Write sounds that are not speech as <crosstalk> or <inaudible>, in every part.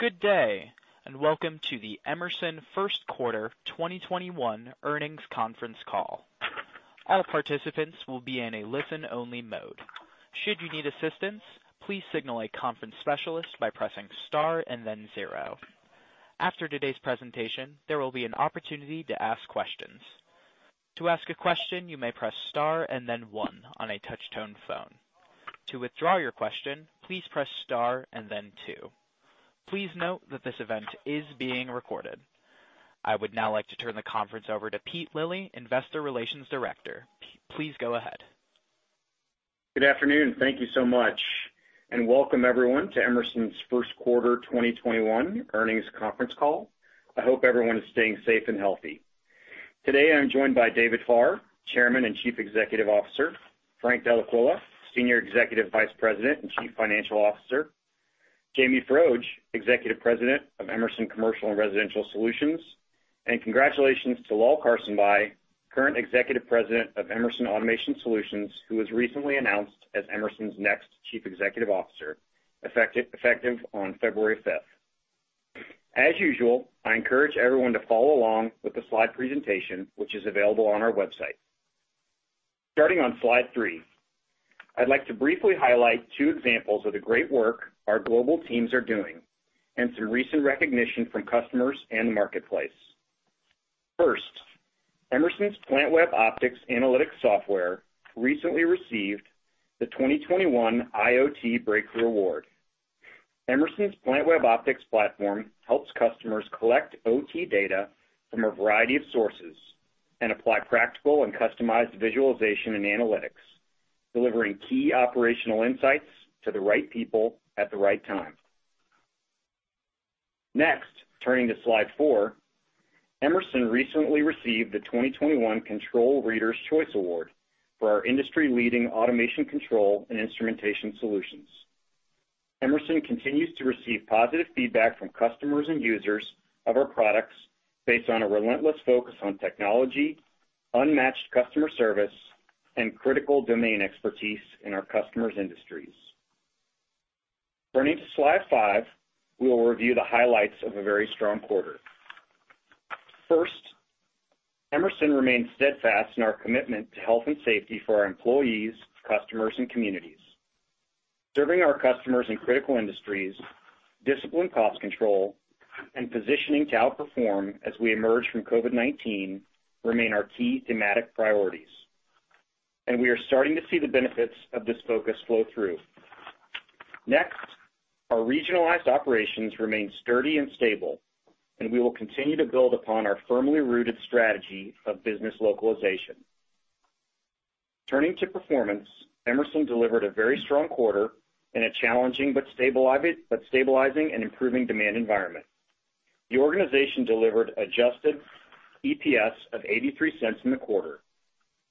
Good day, and welcome to the Emerson First Quarter 2021 Earnings Conference Call. After today's presentation, there will be an opportunity to ask questions. Please note that this event is being recorded. I would now like to turn the conference over to Pete Lilly, investor relations director. Pete, please go ahead. Good afternoon. Thank you so much, and welcome everyone to Emerson's First Quarter 2021 Earnings Conference Call. I hope everyone is staying safe and healthy. Today, I'm joined by David Farr, Chairman and Chief Executive Officer, Frank Dellaquila, Senior Executive Vice President and Chief Financial Officer, Jamie Froedge, Executive President of Emerson Commercial and Residential Solutions, and congratulations to Lal Karsanbhai, current Executive President of Emerson Automation Solutions, who was recently announced as Emerson's next Chief Executive Officer, effective on February 5. As usual, I encourage everyone to follow along with the slide presentation, which is available on our website. Starting on slide three, I'd like to briefly highlight two examples of the great work our global teams are doing and some recent recognition from customers and the marketplace. First, Emerson's Plantweb Optics analytics software recently received the 2021 IoT Breakthrough Award. Emerson's Plantweb Optics platform helps customers collect OT data from a variety of sources and apply practical and customized visualization and analytics, delivering key operational insights to the right people at the right time. Turning to slide four, Emerson recently received the 2021 Control Readers' Choice Awards for our industry-leading automation control and instrumentation solutions. Emerson continues to receive positive feedback from customers and users of our products based on a relentless focus on technology, unmatched customer service, and critical domain expertise in our customers' industries. Turning to slide five, we will review the highlights of a very strong quarter. Emerson remains steadfast in our commitment to health and safety for our employees, customers, and communities. Serving our customers in critical industries, disciplined cost control, and positioning to outperform as we emerge from COVID-19 remain our key thematic priorities. We are starting to see the benefits of this focus flow through. Next, our regionalized operations remain sturdy and stable, and we will continue to build upon our firmly rooted strategy of business localization. Turning to performance, Emerson delivered a very strong quarter in a challenging but stabilizing and improving demand environment. The organization delivered adjusted EPS of $0.83 in the quarter,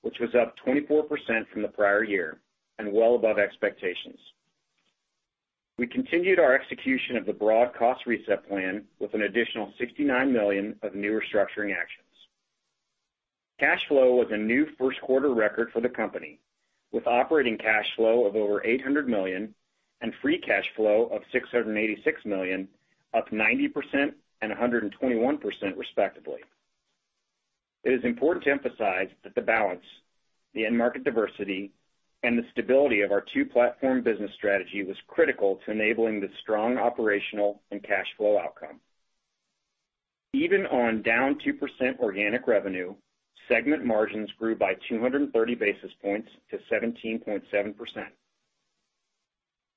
which was up 24% from the prior year and well above expectations. We continued our execution of the broad cost reset plan with an additional $69 million of new restructuring actions. Cash flow was a new first quarter record for the company, with operating cash flow of over $800 million and free cash flow of $686 million, up 90% and 121% respectively. It is important to emphasize that the balance, the end market diversity, and the stability of our two platform business strategy was critical to enabling the strong operational and cash flow outcome. Even on down 2% organic revenue, segment margins grew by 230 basis points to 17.7%.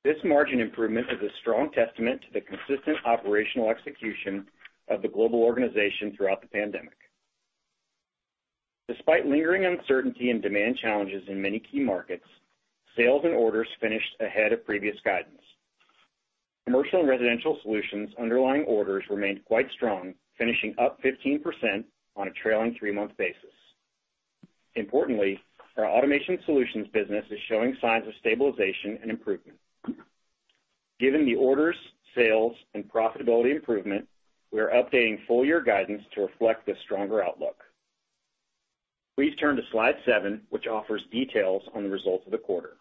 This margin improvement is a strong testament to the consistent operational execution of the global organization throughout the pandemic. Despite lingering uncertainty and demand challenges in many key markets, sales and orders finished ahead of previous guidance. Commercial and residential solutions underlying orders remained quite strong, finishing up 15% on a trailing three-month basis. Importantly, our Automation Solutions business is showing signs of stabilization and improvement. Given the orders, sales, and profitability improvement, we are updating full year guidance to reflect this stronger outlook. Please turn to slide seven, which offers details on the results of the quarter.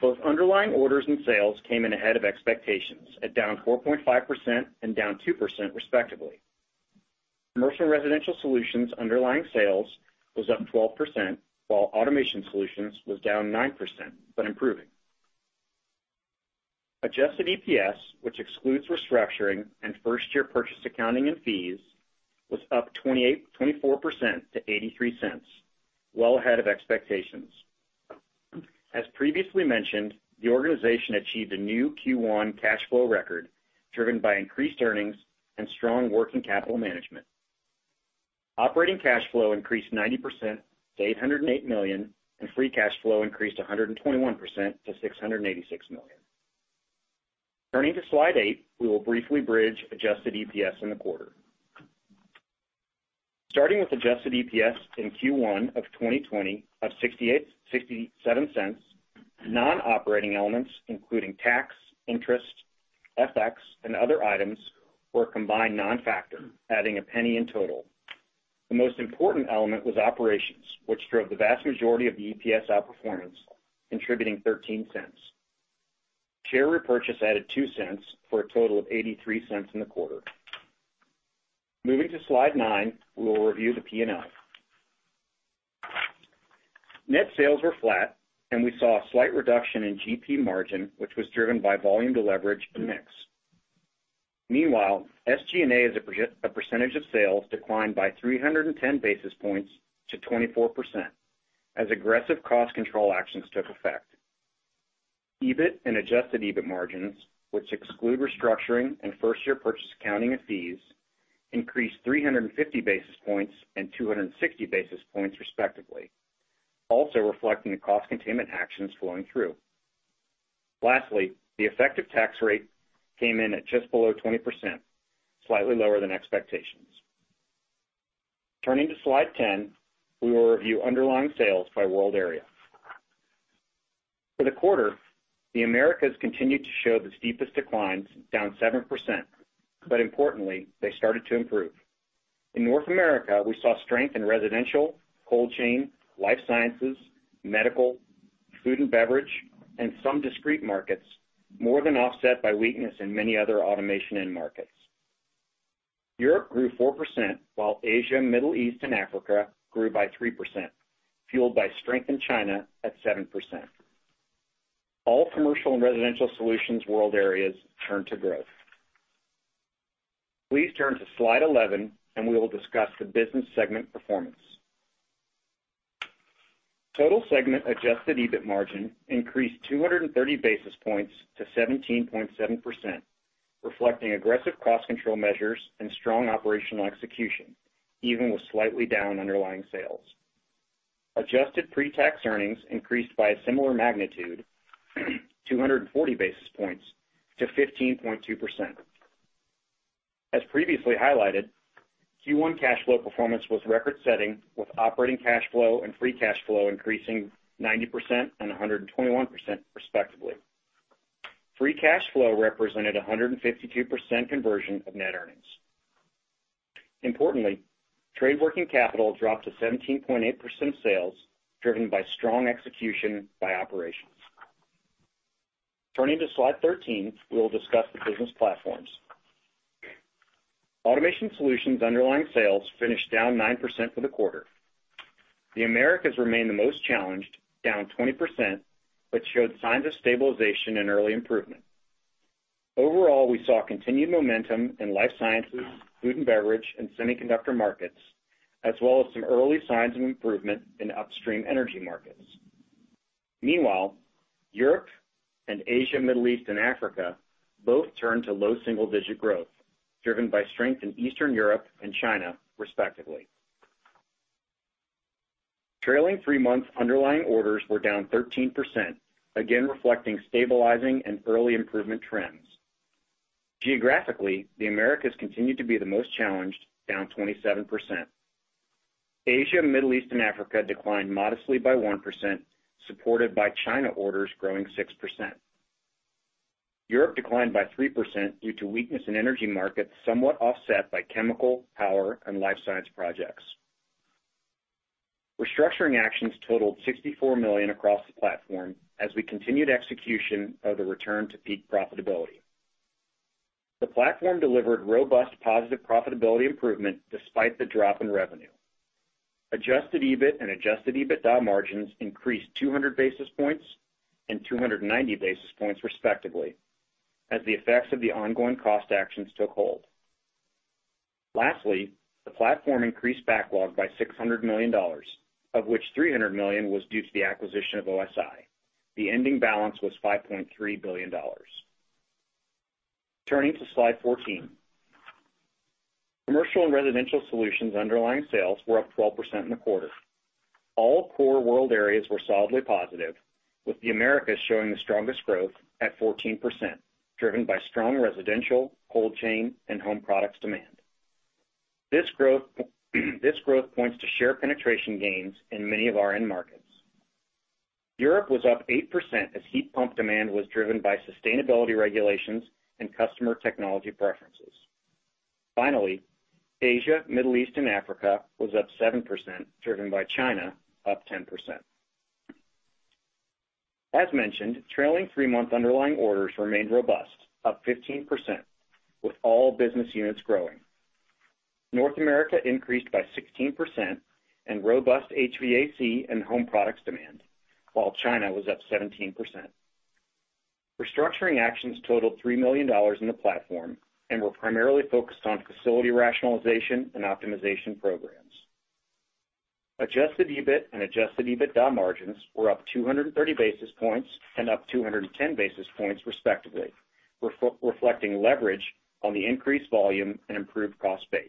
Both underlying orders and sales came in ahead of expectations at down 4.5% and down 2% respectively. Commercial & Residential Solutions underlying sales was up 12%, while Automation Solutions was down 9%, but improving. Adjusted EPS, which excludes restructuring and first-year purchase accounting and fees, was up 24% to $0.83, well ahead of expectations. As previously mentioned, the organization achieved a new Q1 cash flow record driven by increased earnings and strong working capital management. Operating cash flow increased 90% to $808 million, and free cash flow increased 121% to $686 million. Turning to slide eight, we will briefly bridge adjusted EPS in the quarter. Starting with adjusted EPS in Q1 of 2020 of $0.67, non-operating elements, including tax, interest, FX, and other items, were a combined non-factor, adding $0.01 in total. The most important element was operations, which drove the vast majority of the EPS outperformance, contributing $0.13. Share repurchase added $0.02 for a total of $0.83 in the quarter. Moving to slide nine, we will review the P&L. Net sales were flat. We saw a slight reduction in GP margin, which was driven by volume deleverage and mix. Meanwhile, SGA as a percentage of sales declined by 310 basis points to 24%, as aggressive cost control actions took effect. EBIT and adjusted EBIT margins, which exclude restructuring and first-year purchase accounting and fees, increased 350 basis points and 260 basis points respectively, also reflecting the cost containment actions flowing through. Lastly, the effective tax rate came in at just below 20%, slightly lower than expectations. Turning to slide 10, we will review underlying sales by world area. For the quarter, the Americas continued to show the steepest declines, down 7%, but importantly, they started to improve. In North America, we saw strength in residential, cold chain, life sciences, medical, food and beverage, and some discrete markets, more than offset by weakness in many other automation end markets. Europe grew 4%, while Asia, Middle East, and Africa grew by 3%, fueled by strength in China at 7%. All Commercial & Residential Solutions world areas turned to growth. Please turn to slide 11. We will discuss the business segment performance. Total segment adjusted EBIT margin increased 230 basis points to 17.7%, reflecting aggressive cost control measures and strong operational execution, even with slightly down underlying sales. Adjusted pre-tax earnings increased by a similar magnitude, 240 basis points to 15.2%. As previously highlighted, Q1 cash flow performance was record-setting, with operating cash flow and free cash flow increasing 90% and 121% respectively. Free cash flow represented 152% conversion of net earnings. Importantly, trade working capital dropped to 17.8% sales, driven by strong execution by operations. Turning to slide 13, we will discuss the business platforms. Automation Solutions' underlying sales finished down 9% for the quarter. The Americas remained the most challenged, down 20%, but showed signs of stabilization and early improvement. Overall, we saw continued momentum in life sciences, food and beverage, and semiconductor markets, as well as some early signs of improvement in upstream energy markets. Meanwhile, Europe and Asia, Middle East and Africa both turned to low single-digit growth, driven by strength in Eastern Europe and China, respectively. Trailing three months' underlying orders were down 13%, again reflecting stabilizing and early improvement trends. Geographically, the Americas continued to be the most challenged, down 27%. Asia, Middle East, and Africa declined modestly by 1%, supported by China orders growing 6%. Europe declined by 3% due to weakness in energy markets, somewhat offset by chemical, power, and life science projects. Restructuring actions totaled $64 million across the platform as we continued execution of the return to peak profitability. The platform delivered robust positive profitability improvement despite the drop in revenue. Adjusted EBIT and adjusted EBITDA margins increased 200 basis points and 290 basis points respectively, as the effects of the ongoing cost actions took hold. Lastly, the platform increased backlog by $600 million, of which $300 million was due to the acquisition of OSI. The ending balance was $5.3 billion. Turning to slide 14. Commercial & Residential Solutions' underlying sales were up 12% in the quarter. All core world areas were solidly positive, with the Americas showing the strongest growth at 14%, driven by strong residential, cold chain, and home products demand. This growth points to share penetration gains in many of our end markets. Europe was up 8% as heat pump demand was driven by sustainability regulations and customer technology preferences. Finally, Asia, Middle East, and Africa was up 7%, driven by China up 10%. As mentioned, trailing three-month underlying orders remained robust, up 15%, with all business units growing. North America increased by 16% in robust HVAC and home products demand, while China was up 17%. Restructuring actions totaled $3 million in the platform and were primarily focused on facility rationalization and optimization programs. Adjusted EBIT and adjusted EBITDA margins were up 230 basis points and up 210 basis points respectively, reflecting leverage on the increased volume and improved cost base.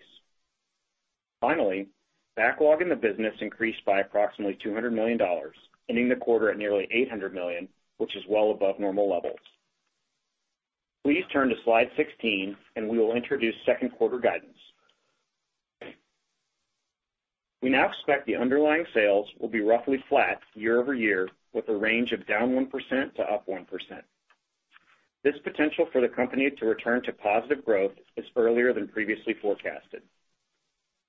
Finally, backlog in the business increased by approximately $200 million, ending the quarter at nearly $800 million, which is well above normal levels. Please turn to slide 16, and we will introduce second quarter guidance. We now expect the underlying sales will be roughly flat year-over-year, with a range of down 1% to up 1%. This potential for the company to return to positive growth is earlier than previously forecasted.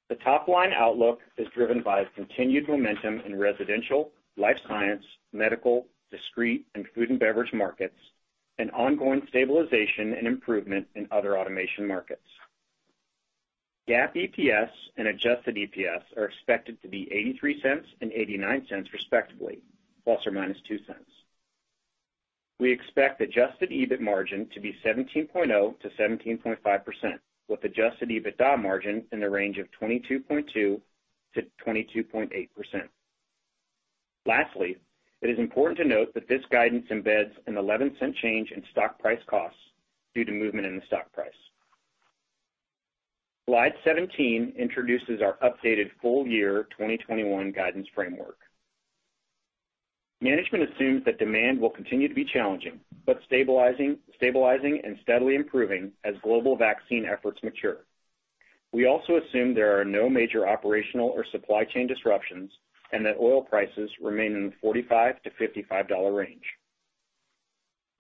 The top-line outlook is driven by continued momentum in residential, life science, medical, discrete, and food and beverage markets, and ongoing stabilization and improvement in other automation markets. GAAP EPS and adjusted EPS are expected to be $0.83 and $0.89, respectively, ±$0.02. We expect adjusted EBIT margin to be 17.0%-17.5%, with adjusted EBITDA margin in the range of 22.2%-22.8%. Lastly, it is important to note that this guidance embeds an $0.11 change in stock price costs due to movement in the stock price. Slide 17 introduces our updated full year 2021 guidance framework. Management assumes that demand will continue to be challenging, but stabilizing and steadily improving as global vaccine efforts mature. We also assume there are no major operational or supply chain disruptions, and that oil prices remain in the $45-$55 range.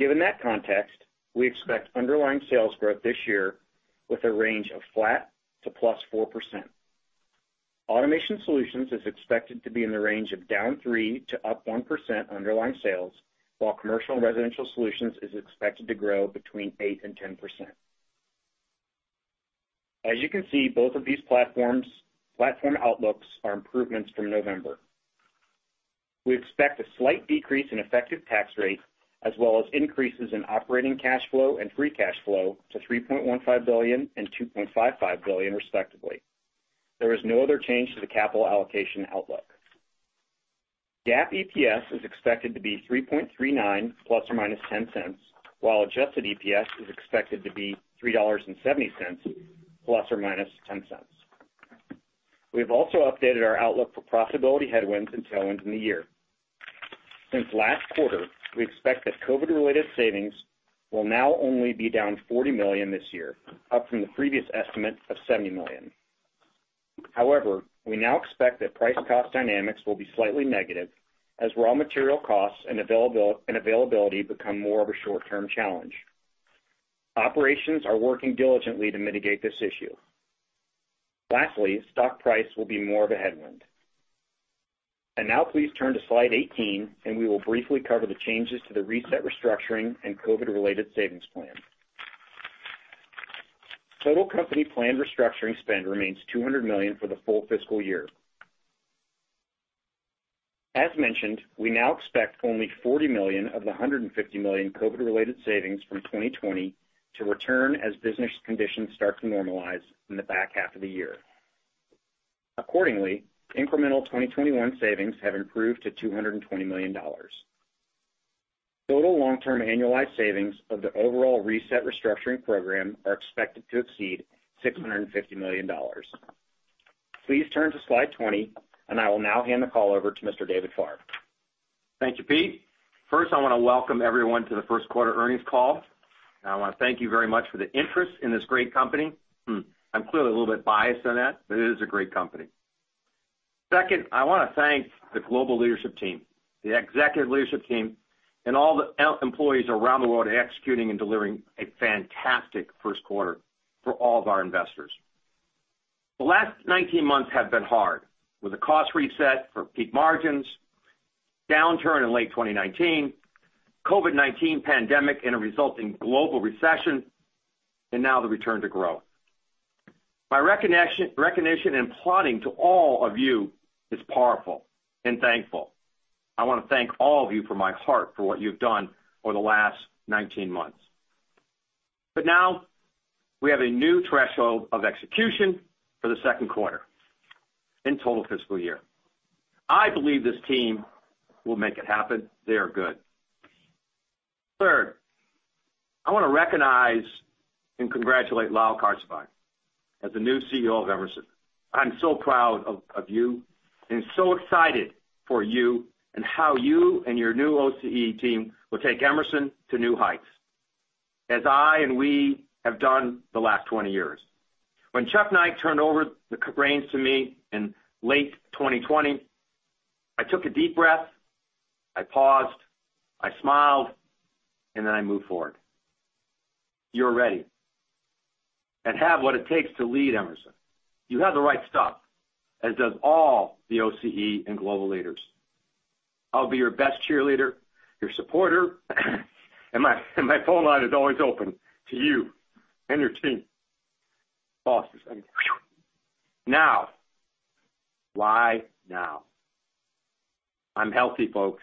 Given that context, we expect underlying sales growth this year with a range of flat to +4%. Automation Solutions is expected to be in the range of down 3% to up 1% underlying sales, while Commercial & Residential Solutions is expected to grow between 8% and 10%. As you can see, both of these platform outlooks are improvements from November. We expect a slight decrease in effective tax rate, as well as increases in operating cash flow and free cash flow to $3.15 billion and $2.55 billion, respectively. There is no other change to the capital allocation outlook. GAAP EPS is expected to be $3.39 ±$0.10, while adjusted EPS is expected to be $3.70, ±$0.10. We've also updated our outlook for profitability headwinds and tailwinds in the year. Since last quarter, we expect that COVID-related savings will now only be down $40 million this year, up from the previous estimate of $70 million. We now expect that price cost dynamics will be slightly negative as raw material costs and availability become more of a short-term challenge. Operations are working diligently to mitigate this issue. Stock price will be more of a headwind. Now please turn to slide 18, and we will briefly cover the changes to the reset restructuring and COVID-related savings plan. Total company planned restructuring spend remains $200 million for the full fiscal year. As mentioned, we now expect only $40 million of the $150 million COVID-related savings from 2020 to return as business conditions start to normalize in the back half of the year. Incremental 2021 savings have improved to $220 million. Total long-term annualized savings of the overall Reset Restructuring Program are expected to exceed $650 million. Please turn to slide 20. I will now hand the call over to Mr. David Farr. Thank you, Pete. First, I want to welcome everyone to the first quarter earnings call, and I want to thank you very much for the interest in this great company. I'm clearly a little bit biased on that, but it is a great company. Second, I want to thank the global leadership team, the executive leadership team, and all the employees around the world executing and delivering a fantastic first quarter for all of our investors. The last 19 months have been hard, with a cost reset for peak margins, downturn in late 2019, COVID-19 pandemic and a resulting global recession, and now the return to growth. My recognition and applauding to all of you is powerful and thankful. I want to thank all of you from my heart for what you've done over the last 19 months. Now we have a new threshold of execution for the second quarter and total fiscal year. I believe this team will make it happen. They are good. Third, I want to recognize and congratulate Lal Karsanbhai as the new CEO of Emerson. I'm so proud of you and so excited for you and how you and your new OCE team will take Emerson to new heights, as I and we have done the last 20 years. When Chuck Knight turned over the reins to me in late 2020, I took a deep breath, I paused, I smiled, and then I moved forward. You're ready and have what it takes to lead Emerson. You have the right stuff, as does all the OCE and global leaders. I'll be your best cheerleader, your supporter, and my phone line is always open to you and your team. Boss is saying, whew. Now. Why now? I'm healthy, folks.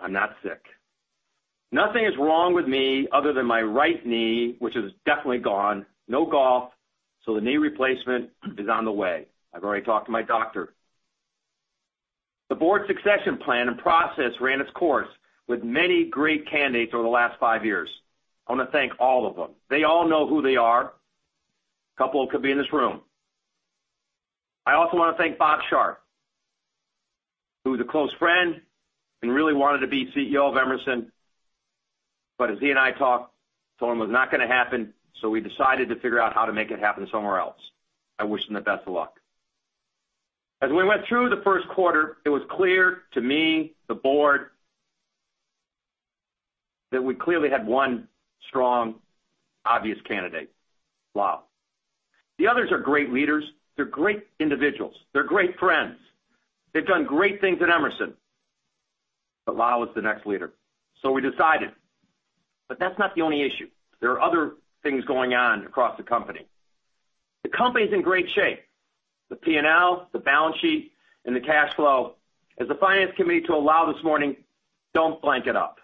I'm not sick. Nothing is wrong with me other than my right knee, which is definitely gone. No golf. The knee replacement is on the way. I've already talked to my doctor. The board succession plan and process ran its course with many great candidates over the last five years. I want to thank all of them. They all know who they are. Couple could be in this room. I also want to thank Bob Sharp, who is a close friend and really wanted to be CEO of Emerson. As he and I talked, I told him it was not going to happen. We decided to figure out how to make it happen somewhere else. I wish him the best of luck. As we went through the first quarter, it was clear to me, the board, that we clearly had one strong obvious candidate, Lal. The others are great leaders. They're great individuals. They're great friends. They've done great things at Emerson. Lal is the next leader. We decided. That's not the only issue. There are other things going on across the company. The company's in great shape. The P&L, the balance sheet, and the cash flow. As the finance committee to Lal this morning, don't blank it up.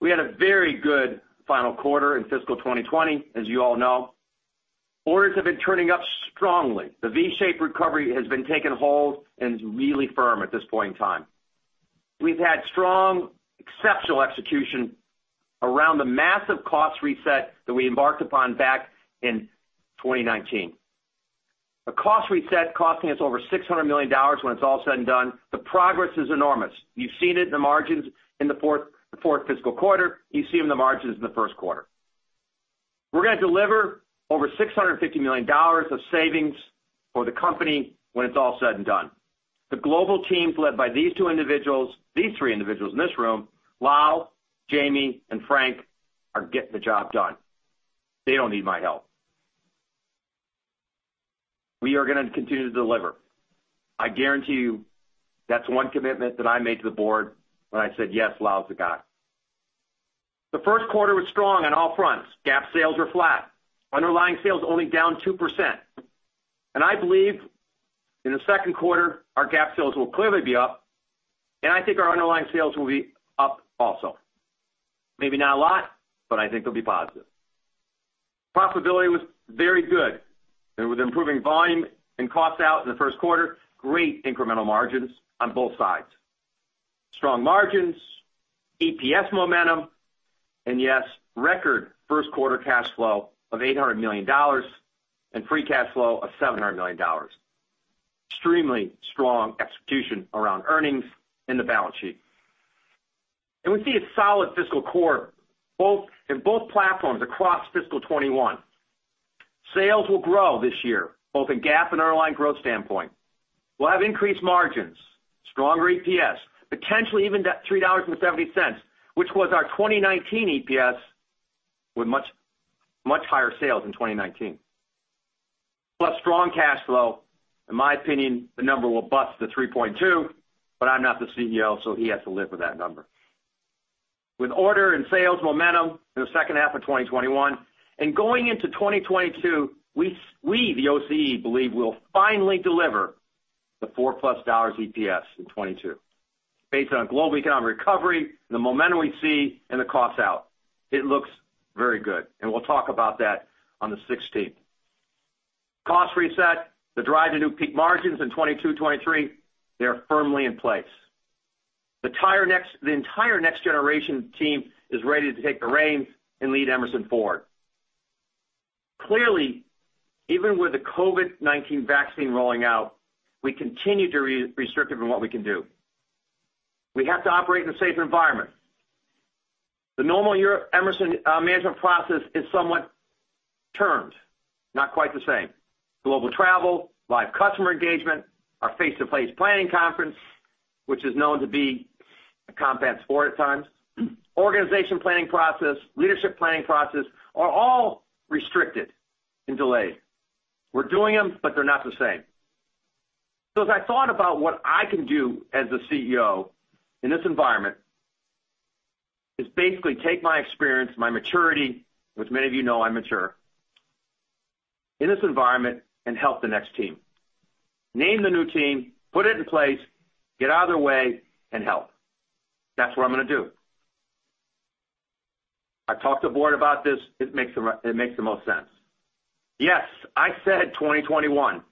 We had a very good final quarter in fiscal 2020, as you all know. Orders have been turning up strongly. The V-shaped recovery has been taking hold and is really firm at this point in time. We've had strong, exceptional execution around the massive cost reset that we embarked upon back in 2019. A cost reset costing us over $600 million when it's all said and done. The progress is enormous. You've seen it in the margins in the fourth fiscal quarter. You see them the margins in the first quarter. We're going to deliver over $650 million of savings for the company when it's all said and done. The global teams led by these three individuals in this room, Lal, Jamie, and Frank, are getting the job done. They don't need my help. We are going to continue to deliver. I guarantee you that's one commitment that I made to the board when I said, "Yes, Lal's the guy." The first quarter was strong on all fronts. GAAP sales were flat. Underlying sales only down 2%. I believe in the second quarter, our GAAP sales will clearly be up, and I think our underlying sales will be up also. Maybe not a lot, but I think they'll be positive. Profitability was very good. There was improving volume and cost out in the first quarter, great incremental margins on both sides. Strong margins, EPS momentum, yes, record first quarter cash flow of $800 million and free cash flow of $700 million. Extremely strong execution around earnings in the balance sheet. We see a solid fiscal core in both platforms across fiscal 2021. Sales will grow this year, both in GAAP and underlying growth standpoint. We'll have increased margins, stronger EPS, potentially even that $3.70, which was our 2019 EPS with much higher sales in 2019. Plus strong cash flow. In my opinion, the number will bust the 3.2, but I'm not the CEO, so he has to live with that number. With order and sales momentum in the second half of 2021 and going into 2022, we, the OCE, believe we'll finally deliver the $4+ EPS in 2022 based on global economic recovery, the momentum we see, and the cost out. It looks very good, and we'll talk about that on the 16th. Cost reset, the drive to new peak margins in 2022, 2023, they are firmly in place. The entire next generation team is ready to take the reins and lead Emerson forward. Clearly, even with the COVID-19 vaccine rolling out, we continue to be restricted in what we can do. We have to operate in a safe environment. The normal Emerson management process is somewhat termed, not quite the same. Global travel, live customer engagement, our face-to-face planning conference, which is known to be a combat sport at times, organization planning process, leadership planning process, are all restricted and delayed. We're doing them, but they're not the same. As I thought about what I can do as a CEO in this environment, is basically take my experience, my maturity, which many of you know I'm mature, in this environment and help the next team. Name the new team, put it in place, get out of their way, and help. That's what I'm going to do. I talked to the board about this. It makes the most sense. Yes, I said 2021.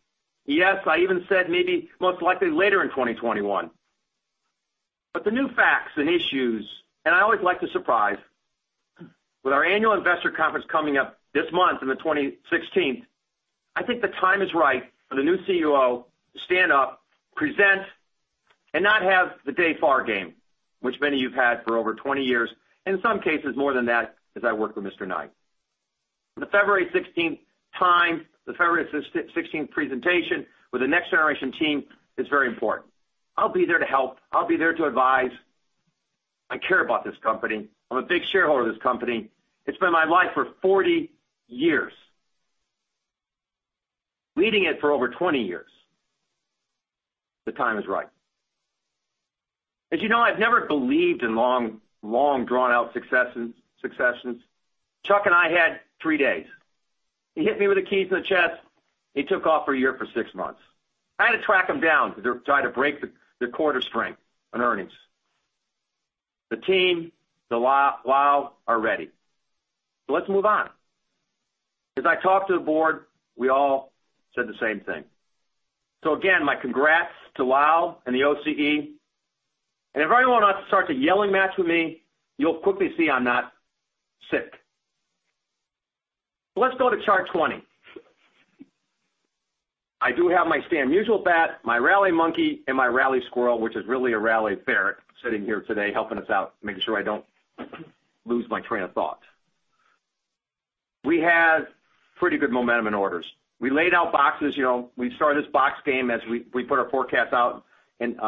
Yes, I even said maybe most likely later in 2021. The new facts and issues, and I always like to surprise with our annual investor conference coming up this month on the 16th. I think the time is right for the new CEO to stand up, present, and not have the David Farr game, which many of you've had for over 20 years, and in some cases more than that as I worked with Mr. Knight. The February 16th time, the February 16th presentation with the next generation team is very important. I'll be there to help. I'll be there to advise. I care about this company. I'm a big shareholder of this company. It's been my life for 40 years. Leading it for over 20 years. The time is right. As you know, I've never believed in long, drawn-out successions. Chuck and I had three days. He hit me with the keys in the chest. He took off for a year for six months. I had to track him down to try to break the quarter string on earnings. The team, Lal, are ready. Let's move on. As I talked to the board, we all said the same thing. Again, my congrats to Lal and the OCE. If anyone wants to start the yelling match with me, you'll quickly see I'm not sick. Let's go to chart 20. I do have my Stan Musial bat, my rally monkey, and my rally squirrel, which is really a rally ferret sitting here today helping us out, making sure I don't-Lose my train of thought. We had pretty good momentum in orders. We laid out boxes. We started this box game as we put our forecast out in,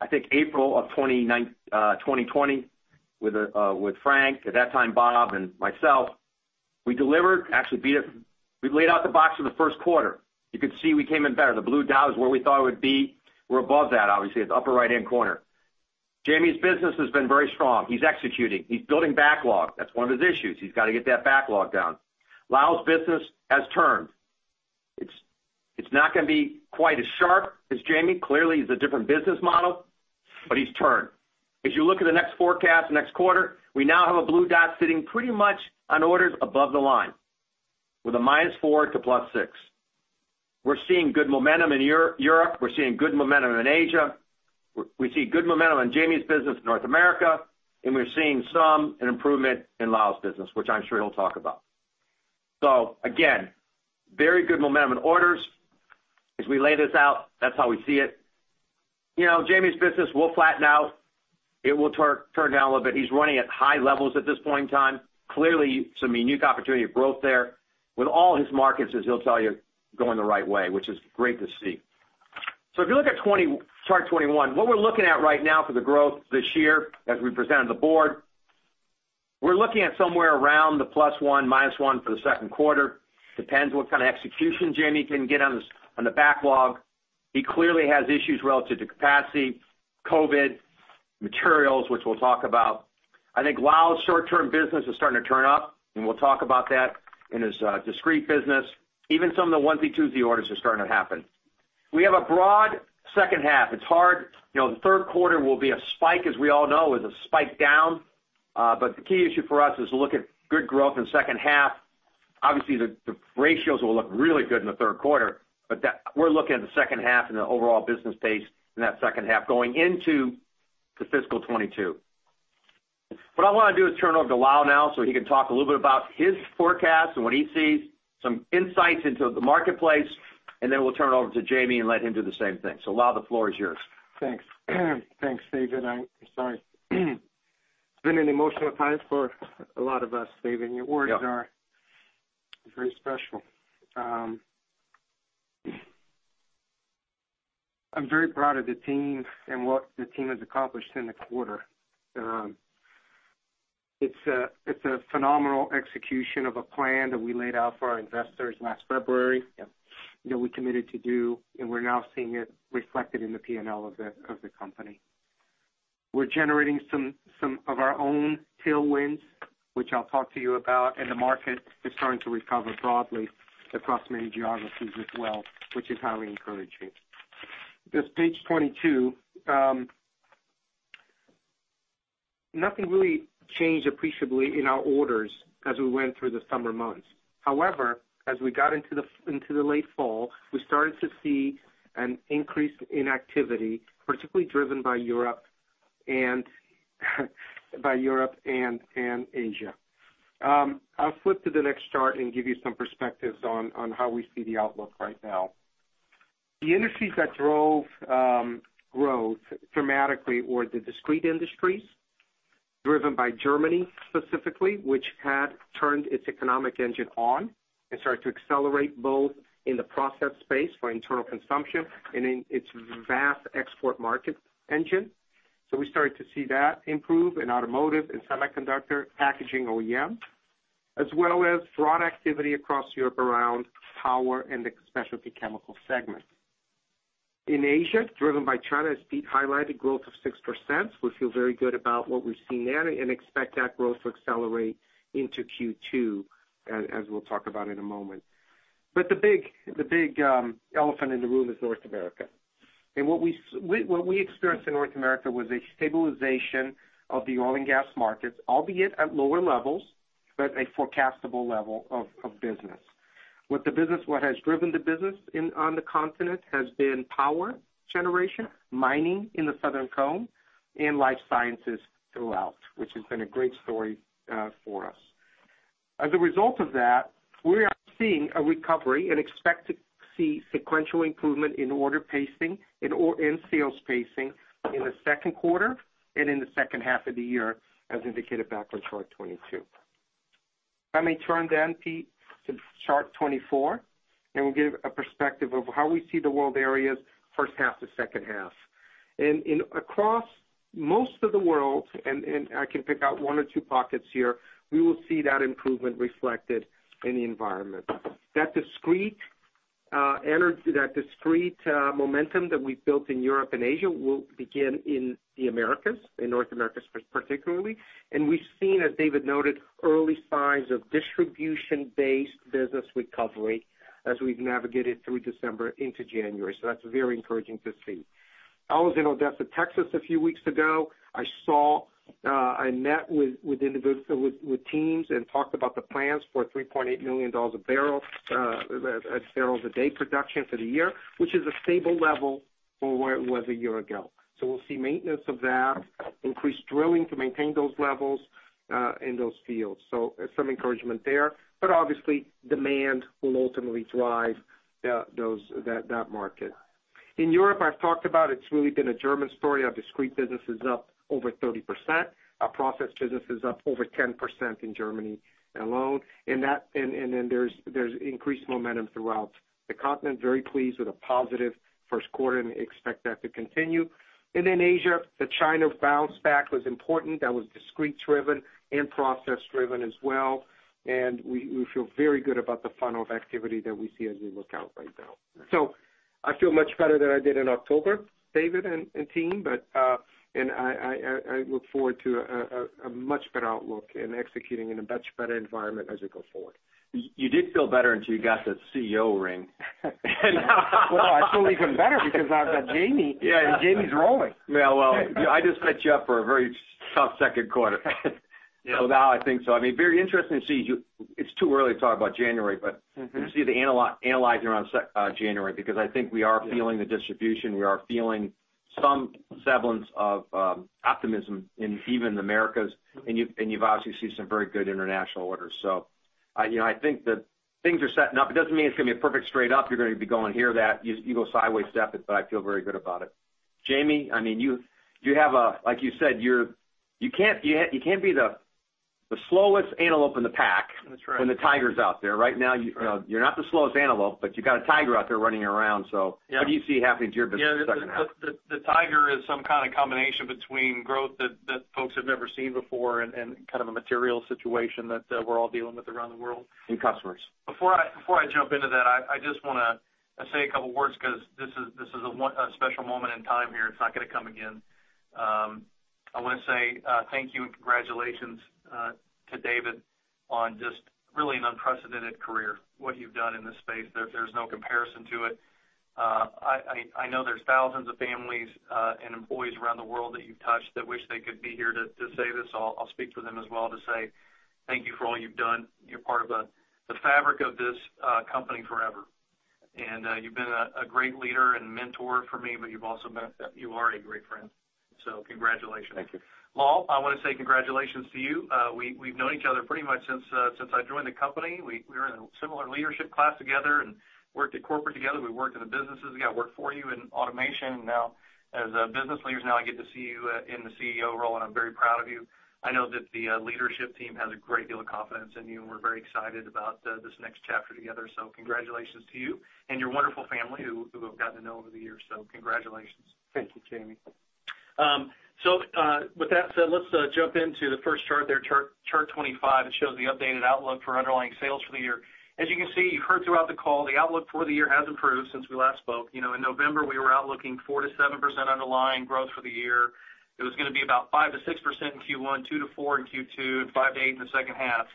I think, April of 2020 with Frank, at that time, Bob and myself. We delivered, actually beat it. We laid out the box for the first quarter. You could see we came in better. The blue dot is where we thought it would be. We're above that, obviously. It's upper right-hand corner. Jamie's business has been very strong. He's executing. He's building backlog. That's one of his issues. He's got to get that backlog down. Lal's business has turned. It's not going to be quite as sharp as Jamie. He's a different business model, but he's turned. If you look at the next forecast, next quarter, we now have a blue dot sitting pretty much on orders above the line with a -4 to +6. We're seeing good momentum in Europe. We're seeing good momentum in Asia. We see good momentum in Jamie's business in North America, we're seeing some improvement in Lal's business, which I'm sure he'll talk about. Again, very good momentum in orders. As we lay this out, that's how we see it. Jamie's business will flatten out. It will turn down a little bit. He's running at high levels at this point in time. Clearly, some unique opportunity of growth there with all his markets, as he'll tell you, going the right way, which is great to see. If you look at chart 21, what we're looking at right now for the growth this year, as we presented to the board, we're looking at somewhere around the +1, -1 for the second quarter. Depends what kind of execution Jamie can get on the backlog. He clearly has issues relative to capacity, COVID-19, materials, which we'll talk about. I think Lal's short-term business is starting to turn up, and we'll talk about that in his discrete business. Even some of the onesie-twosie orders are starting to happen. We have a broad second half. It's hard. The third quarter will be a spike, as we all know, is a spike down. The key issue for us is to look at good growth in the second half. Obviously, the ratios will look really good in the third quarter, but we're looking at the second half and the overall business pace in that second half going into the fiscal 2022. I want to do is turn it over to Lal now so he can talk a little bit about his forecast and what he sees, some insights into the marketplace, and then we'll turn it over to Jamie and let him do the same thing. Lal, the floor is yours. Thanks. Thanks, David. I'm sorry. It's been an emotional time for a lot of us, David. Your words are very special. I'm very proud of the team and what the team has accomplished in the quarter. It's a phenomenal execution of a plan that we laid out for our investors last February that we committed to do, and we're now seeing it reflected in the P&L of the company. We're generating some of our own tailwinds, which I'll talk to you about, and the market is starting to recover broadly across many geographies as well, which is highly encouraging. This page 22. Nothing really changed appreciably in our orders as we went through the summer months. However, as we got into the late fall, we started to see an increase in activity, particularly driven by Europe and Asia. I'll flip to the next chart and give you some perspectives on how we see the outlook right now. The industries that drove growth dramatically were the discrete industries driven by Germany specifically, which had turned its economic engine on and started to accelerate both in the process space for internal consumption and in its vast export market engine. We started to see that improve in automotive and semiconductor packaging OEM, as well as broad activity across Europe around power and the specialty chemical segment. In Asia, driven by China, as Pete highlighted, growth of 6%. We feel very good about what we've seen there and expect that growth to accelerate into Q2, as we'll talk about in a moment. The big elephant in the room is North America. What we experienced in North America was a stabilization of the oil and gas markets, albeit at lower levels, but a forecastable level of business. What has driven the business on the continent has been power generation, mining in the Southern Cone, and life sciences throughout, which has been a great story for us. As a result of that, we are seeing a recovery and expect to see sequential improvement in order pacing, in sales pacing in the second quarter and in the second half of the year, as indicated back on chart 22. If I may turn then, Pete, to chart 24, we'll give a perspective of how we see the world areas first half to second half. Across most of the world, I can pick out one or two pockets here, we will see that improvement reflected in the environment. That discrete momentum that we've built in Europe and Asia will begin in the Americas, in North America particularly. We've seen, as David noted, early signs of distribution-based business recovery as we've navigated through December into January. That's very encouraging to see. I was in Odessa, Texas a few weeks ago. I met with teams and talked about the plans for 3.8 million barrels a day production for the year, which is a stable level for where it was a year ago. We'll see maintenance of that, increased drilling to maintain those levels in those fields. Some encouragement there, but obviously demand will ultimately drive that market. In Europe, I've talked about it's really been a German story. Our discrete business is up over 30%. Our process business is up over 10% in Germany alone. Then there's increased momentum throughout the continent. Very pleased with a positive first quarter and expect that to continue. In Asia, the China bounce back was important. That was discrete driven and process driven as well. We feel very good about the funnel of activity that we see as we look out right now. I feel much better than I did in October, David and team, and I look forward to a much better outlook and executing in a much better environment as we go forward. You did feel better until you got that CEO ring. Well, I feel even better because I've got Jamie. Yeah. Jamie's rolling. Yeah, well, I just set you up for a very tough second quarter. Now I think so. Very interesting to see you. It's too early to talk about January, but to see the analyzer on January, because I think we are feeling the distribution. We are feeling some semblance of optimism in even the Americas, and you've obviously seen some very good international orders. I think that things are setting up. It doesn't mean it's going to be a perfect straight up. You're going to be going here, that, you go sideways, step it, but I feel very good about it. Jamie, like you said, you can't be the slowest antelope in the pack. That's right. When the tiger's out there. Right now, you're not the slowest antelope, but you got a tiger out there running around. Yeah. What do you see happening to your business the second half? Yeah. The tiger is some kind of combination between growth that folks have never seen before and kind of a material situation that we're all dealing with around the world. Customers. Before I jump into that, I just want to say a couple of words because this is a special moment in time here. It's not going to come again. I want to say thank you and congratulations to David on just really an unprecedented career. What you've done in this space, there's no comparison to it. I know there's thousands of families and employees around the world that you've touched that wish they could be here to say this. I'll speak for them as well to say thank you for all you've done. You're part of the fabric of this company forever. You've been a great leader and mentor for me, but you are a great friend. Congratulations. Thank you. Lal, I want to say congratulations to you. We've known each other pretty much since I joined the company. We were in a similar leadership class together and worked at corporate together. We worked in the businesses. I worked for you in automation, and now as business leaders, now I get to see you in the CEO role, and I'm very proud of you. I know that the leadership team has a great deal of confidence in you, and we're very excited about this next chapter together. Congratulations to you and your wonderful family who we've gotten to know over the years. Congratulations. Thank you, Jamie. With that said, let's jump into the first chart there, chart 25. It shows the updated outlook for underlying sales for the year. As you can see, you heard throughout the call, the outlook for the year has improved since we last spoke. In November, we were out looking 4%-7% underlying growth for the year. It was going to be about 5%-6% in Q1, 2%-4% in Q2, and 5%-8% in the second half.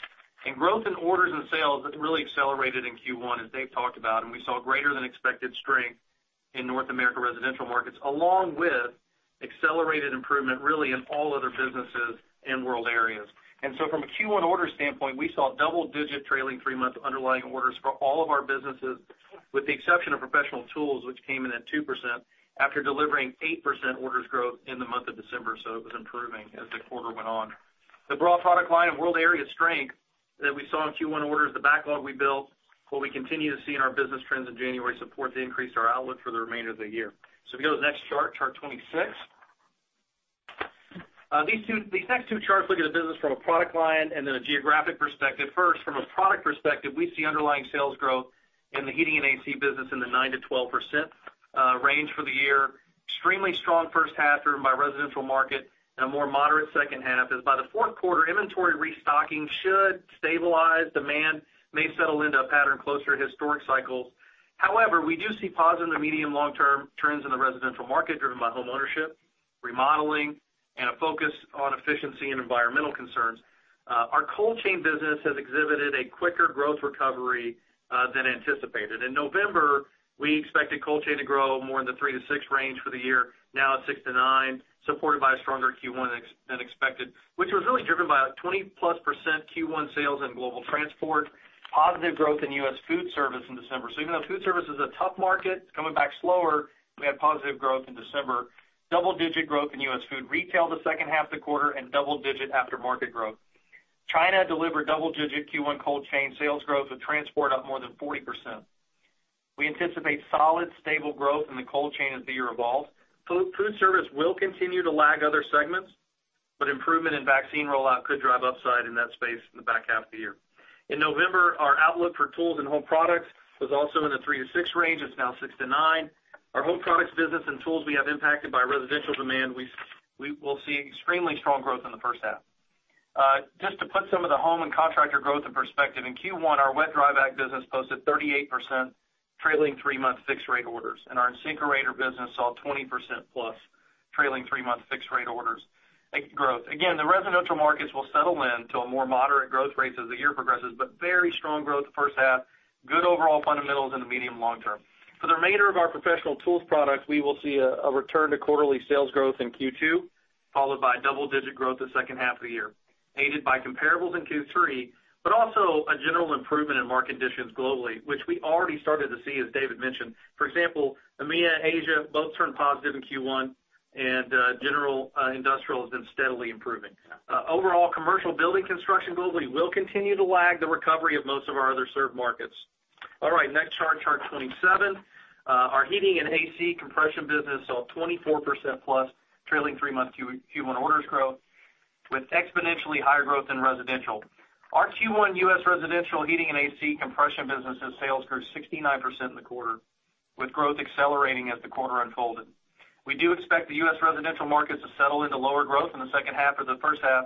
Growth in orders and sales has really accelerated in Q1, as David talked about, and we saw greater than expected strength in North America residential markets, along with accelerated improvement, really in all other businesses in world areas. From a Q1 order standpoint, we saw double-digit trailing three-month underlying orders for all of our businesses, with the exception of professional tools, which came in at 2% after delivering 8% orders growth in the month of December. It was improving as the quarter went on. The broad product line and world area strength that we saw in Q1 orders, the backlog we built, what we continue to see in our business trends in January support the increase to our outlook for the remainder of the year. If you go to the next chart 26. These next two charts look at the business from a product line and then a geographic perspective. First, from a product perspective, we see underlying sales growth in the heating and AC business in the 9%-12% range for the year. Extremely strong first half driven by residential market and a more moderate second half, as by the fourth quarter, inventory restocking should stabilize. Demand may settle into a pattern closer to historic cycles. However, we do see positive medium long-term trends in the residential market driven by homeownership, remodeling, and a focus on efficiency and environmental concerns. Our cold chain business has exhibited a quicker growth recovery than anticipated. In November, we expected cold chain to grow more in the 3%-6% range for the year. Now at 6%-9%, supported by a stronger Q1 than expected, which was really driven by a 20+% Q1 sales in global transport, positive growth in U.S. food service in December. Even though food service is a tough market, it's coming back slower, we had positive growth in December. Double-digit growth in U.S. food retail the second half of the quarter and double-digit after market growth. China delivered double-digit Q1 cold chain sales growth with transport up more than 40%. We anticipate solid, stable growth in the cold chain as the year evolves. Food service will continue to lag other segments, but improvement in vaccine rollout could drive upside in that space in the back half of the year. In November, our outlook for tools and home products was also in the 3%-6% range. It's now 6%-9%. Our home products business and tools we have impacted by residential demand, we will see extremely strong growth in the first half. Just to put some of the home and contractor growth in perspective, in Q1, our Wet/dry vac business posted 38% trailing three-month fixed rate orders, and our InSinkErator business saw 20%+ trailing three-month fixed rate orders growth. Again, the residential markets will settle in to a more moderate growth rate as the year progresses, but very strong growth the first half, good overall fundamentals in the medium long term. For the remainder of our professional tools products, we will see a return to quarterly sales growth in Q2, followed by double-digit growth the second half of the year, aided by comparables in Q3, but also a general improvement in market conditions globally, which we already started to see, as David mentioned. For example, EMEA, Asia, both turned positive in Q1. General industrial has been steadily improving. Overall, commercial building construction globally will continue to lag the recovery of most of our other served markets. All right, next chart, Chart 27. Our heating and AC compression business saw 24% plus trailing three-month Q1 orders growth, with exponentially higher growth than residential. Our Q1 U.S. residential heating and AC compression businesses sales grew 69% in the quarter, with growth accelerating as the quarter unfolded. We do expect the U.S. residential markets to settle into lower growth in the second half or the first half,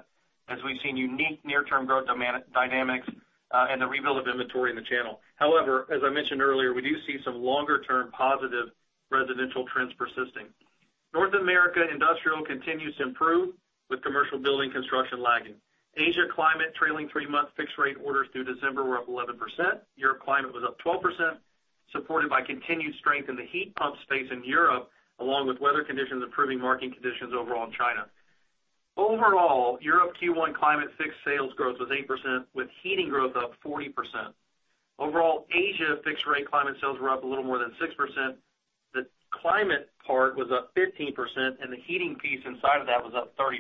as we've seen unique near-term growth dynamics and the rebuild of inventory in the channel. However, as I mentioned earlier, we do see some longer-term positive residential trends persisting. North America industrial continues to improve, with commercial building construction lagging. Asia climate trailing three-month fixed-rate orders through December were up 11%. Europe climate was up 12%, supported by continued strength in the heat pump space in Europe, along with weather conditions improving market conditions overall in China. Overall, Europe Q1 climate fixed sales growth was 8%, with heating growth up 40%. Overall, Asia fixed rate climate sales were up a little more than 6%. The climate part was up 15%, and the heating piece inside of that was up 30%.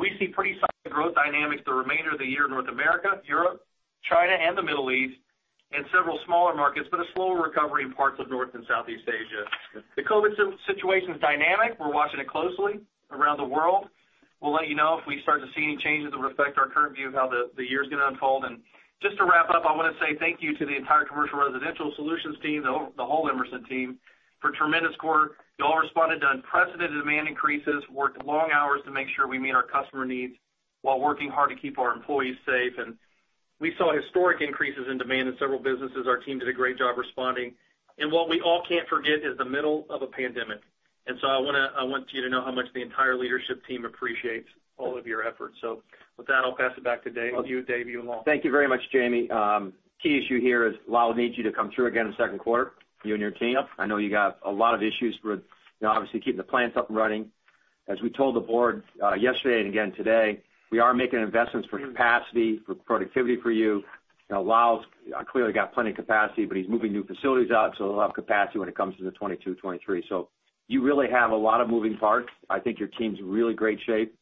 We see pretty solid growth dynamics the remainder of the year in North America, Europe, China, and the Middle East, and several smaller markets, but a slower recovery in parts of North and Southeast Asia. The COVID situation is dynamic. We're watching it closely around the world. We'll let you know if we start to see any changes that reflect our current view of how the year's going to unfold. Just to wrap up, I want to say thank you to the entire Commercial & Residential Solutions team, the whole Emerson team, for a tremendous quarter. You all responded to unprecedented demand increases, worked long hours to make sure we meet our customer needs while working hard to keep our employees safe. We saw historic increases in demand in several businesses. Our team did a great job responding. What we all can't forget is the middle of a pandemic. I want you to know how much the entire leadership team appreciates all of your efforts. With that, I'll pass it back to David. To you, David, you and Lal. Thank you very much, Jamie. Key issue here is Lal needs you to come through again in the second quarter, you and your team. I know you got a lot of issues with obviously keeping the plants up and running. As we told the board yesterday and again today, we are making investments for capacity, for productivity for you. Lal's clearly got plenty of capacity, but he's moving new facilities out, so he'll have capacity when it comes to the 2022, 2023. You really have a lot of moving parts. I think your team's in really great shape,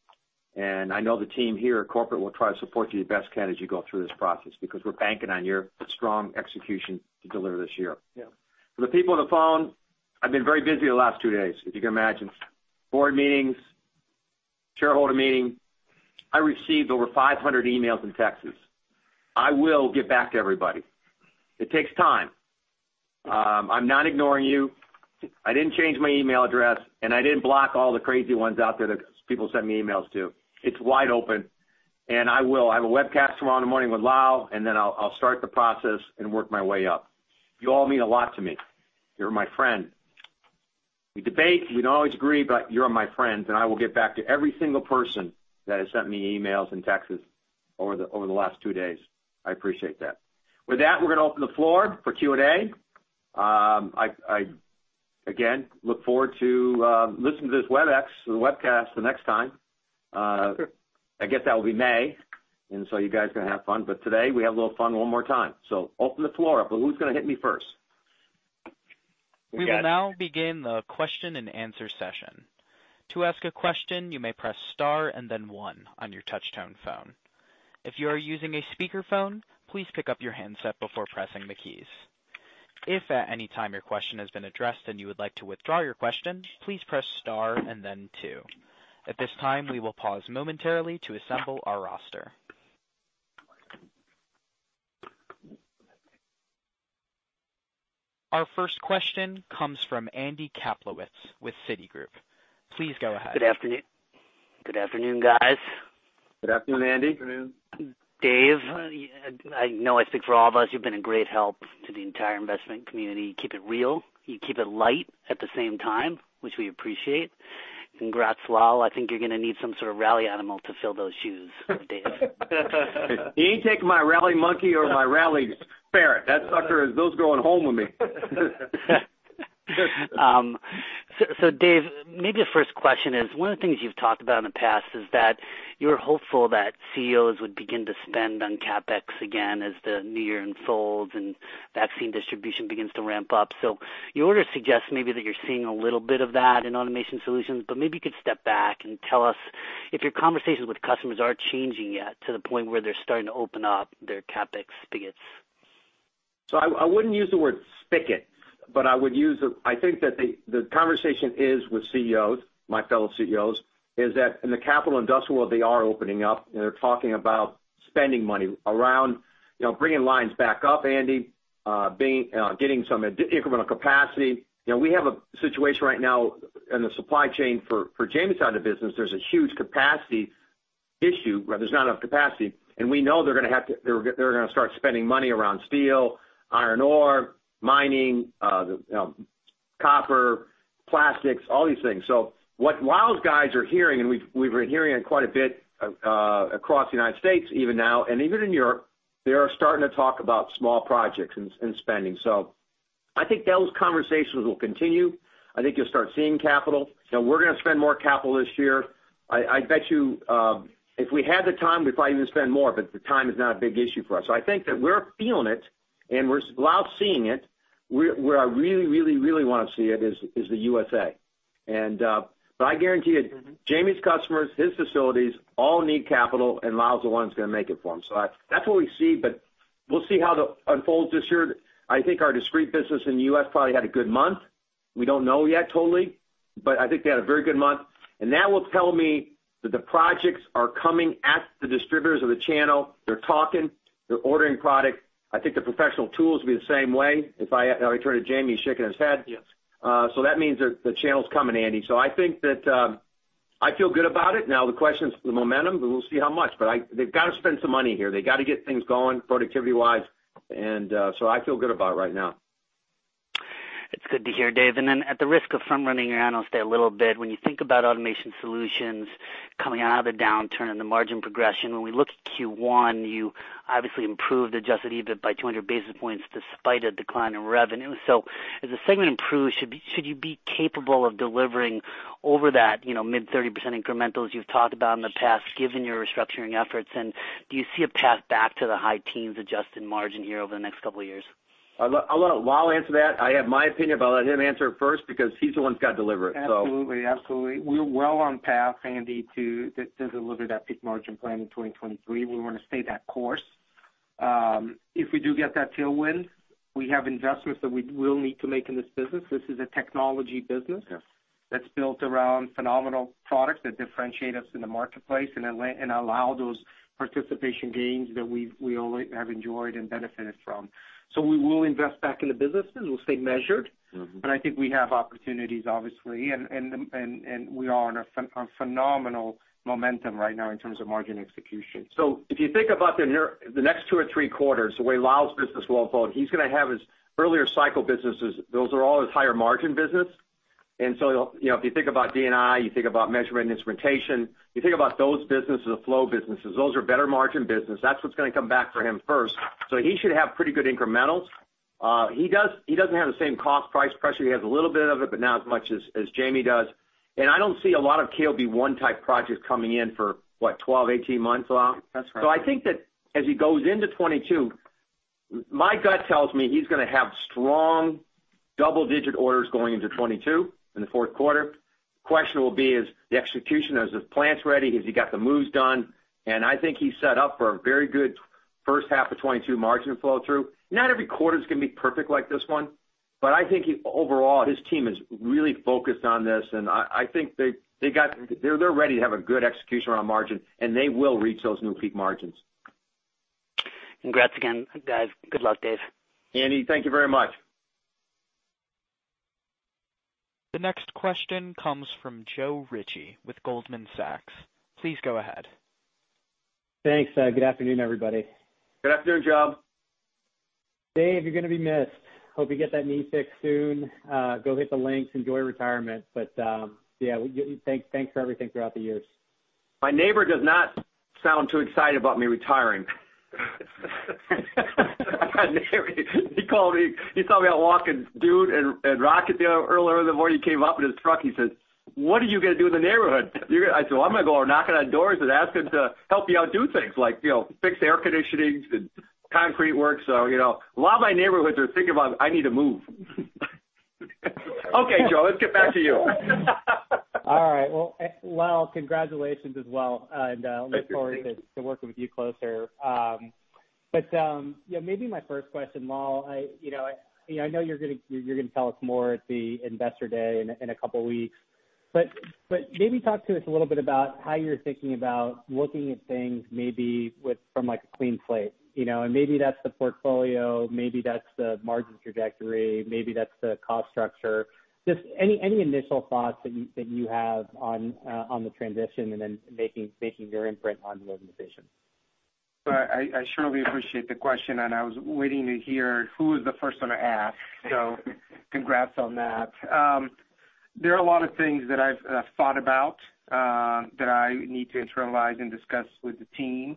and I know the team here at corporate will try to support you the best can as you go through this process because we're banking on your strong execution to deliver this year. Yeah. For the people on the phone, I've been very busy the last two days, if you can imagine. Board meetings, shareholder meeting. I received over 500 emails and texts. I will get back to everybody. It takes time. I'm not ignoring you. I didn't change my email address, and I didn't block all the crazy ones out there that people send me emails to. It's wide open, and I will. I have a webcast tomorrow morning with Lal, and then I'll start the process and work my way up. You all mean a lot to me. You're my friend. We debate, we don't always agree, but you're my friends, and I will get back to every single person that has sent me emails and texts over the last two days. I appreciate that. With that, we're going to open the floor for Q&A. I, again, look forward to listening to this Webex, the webcast the next time. Sure. I guess that will be May, you guys are gonna have fun. Today, we have a little fun one more time. Open the floor up. Who's gonna hit me first? We will now begin the question-and-answer session. To ask a question, you may press star and then one on your touch tone phone. If you are using a speakerphone, please pick up your handset before pressing the keys. If at any time your question has been addressed and you would like to withdraw your question, please press star and then two. At this time, we will pause momentarily to assemble our roster. Our first question comes from Andy Kaplowitz with Citigroup. Please go ahead. Good afternoon, guys. Good afternoon, Andy. Afternoon. David, I know I speak for all of us, you've been a great help to the entire investment community. You keep it real, you keep it light at the same time, which we appreciate. Congrats, Lal. I think you're gonna need some sort of rally animal to fill those shoes of David. He ain't taking my rally monkey or my rally parrot. That sucker, those going home with me. David, maybe the first question is, one of the things you've talked about in the past is that you were hopeful that CEOs would begin to spend on CapEx again as the new year unfolds and vaccine distribution begins to ramp up. Your order suggests maybe that you're seeing a little bit of that in Automation Solutions, but maybe you could step back and tell us if your conversations with customers are changing yet to the point where they're starting to open up their CapEx spigots. I wouldn't use the word spigot, but I think that the conversation is with CEOs, my fellow CEOs, is that in the capital industrial, they are opening up, and they're talking about spending money around bringing lines back up, Andy, getting some incremental capacity. We have a situation right now in the supply chain for Jamie's side of the business. There's a huge capacity issue. There's not enough capacity, and we know they're gonna start spending money around steel, iron ore, mining, copper, plastics, all these things. What Lal's guys are hearing, and we've been hearing it quite a bit across the United States even now, and even in Europe, they are starting to talk about small projects and spending. I think those conversations will continue. I think you'll start seeing capital. We're gonna spend more capital this year. I bet you if we had the time, we'd probably even spend more, but the time is not a big issue for us. I think that we're feeling it. And Lal's seeing it. Where I really want to see it is the U.S.A. I guarantee you, Jamie's customers, his facilities, all need capital, and Lal's the one that's going to make it for him. That's what we see, but we'll see how that unfolds this year. I think our discrete business in the U.S. probably had a good month. We don't know yet, totally, but I think they had a very good month, and that will tell me that the projects are coming at the distributors of the channel. They're talking, they're ordering product. I think the professional tools will be the same way. If I turn to Jamie, he's shaking his head. Yes. That means that the channel's coming, Andy. I think that I feel good about it. Now, the question's the momentum, and we will see how much, but they have got to spend some money here. They got to get things going productivity-wise. I feel good about it right now. It's good to hear, David. At the risk of front-running your analyst day a little bit, when you think about Automation Solutions coming out of the downturn and the margin progression, when we look at Q1, you obviously improved adjusted EBIT by 200 basis points despite a decline in revenue. As the segment improves, should you be capable of delivering over that mid 30% incrementals you've talked about in the past, given your restructuring efforts? Do you see a path back to the high teens adjusted margin here over the next couple of years? I'll let Lal answer that. I have my opinion, but I'll let him answer it first because he's the one that's got to deliver it, so. Absolutely. We're well on path, Andy, to deliver that peak margin plan in 2023. We want to stay that course. If we do get that tailwind, we have investments that we will need to make in this business. This is a technology business. Yes That's built around phenomenal products that differentiate us in the marketplace and allow those participation gains that we have enjoyed and benefited from. We will invest back in the business, and we'll stay measured. I think we have opportunities, obviously, and we are on phenomenal momentum right now in terms of margin execution. If you think about the next two or three quarters, the way Lal's business will unfold, he's going to have his earlier cycle businesses. Those are all his higher margin business. If you think about DNI, you think about measurement instrumentation, you think about those businesses, the flow businesses, those are better margin business. That's what's going to come back for him first. He should have pretty good incrementals. He doesn't have the same cost price pressure. He has a little bit of it, but not as much as Jamie does. I don't see a lot of KOB1-type projects coming in for what, 12, 18 months, Lal? That's correct. I think that as he goes into 2022, my gut tells me he's going to have strong double-digit orders going into 2022 in the fourth quarter. Question will be is the execution. Are the plants ready? Has he got the moves done? I think he's set up for a very good first half of 2022 margin flow-through. Not every quarter's going to be perfect like this one, I think overall, his team is really focused on this, and I think they're ready to have a good execution around margin, and they will reach those new peak margins. Congrats again, guys. Good luck, David. Andy, thank you very much. The next question comes from Joe Ritchie with Goldman Sachs. Please go ahead. Thanks. Good afternoon, everybody. Good afternoon, Joe. David, you're going to be missed. Hope you get that knee fixed soon. Go hit the links. Enjoy retirement. Yeah. Thanks for everything throughout the years. My neighbor does not sound too excited about me retiring. He called me. He saw me out walking Dude and Rocket earlier in the morning. He came up in his truck, he says, "What are you going to do in the neighborhood?" I said, "Well, I'm going to go over, knocking on doors and ask them to help you out, do things like fix air conditioning and concrete work." A lot of my neighbors are thinking about I need to move. Okay, Joe, let's get back to you. All right. Well, Lal, congratulations as well. Thank you. I look forward to working with you closer. Maybe my first question, Lal, I know you're going to tell us more at the Investor Day in a couple of weeks, but maybe talk to us a little bit about how you're thinking about looking at things maybe from like a clean slate. Maybe that's the portfolio, maybe that's the margin trajectory, maybe that's the cost structure. Just any initial thoughts that you have on the transition and then making your imprint on the organization. I surely appreciate the question, and I was waiting to hear who was the first one to ask. Congrats on that. There are a lot of things that I've thought about that I need to internalize and discuss with the team.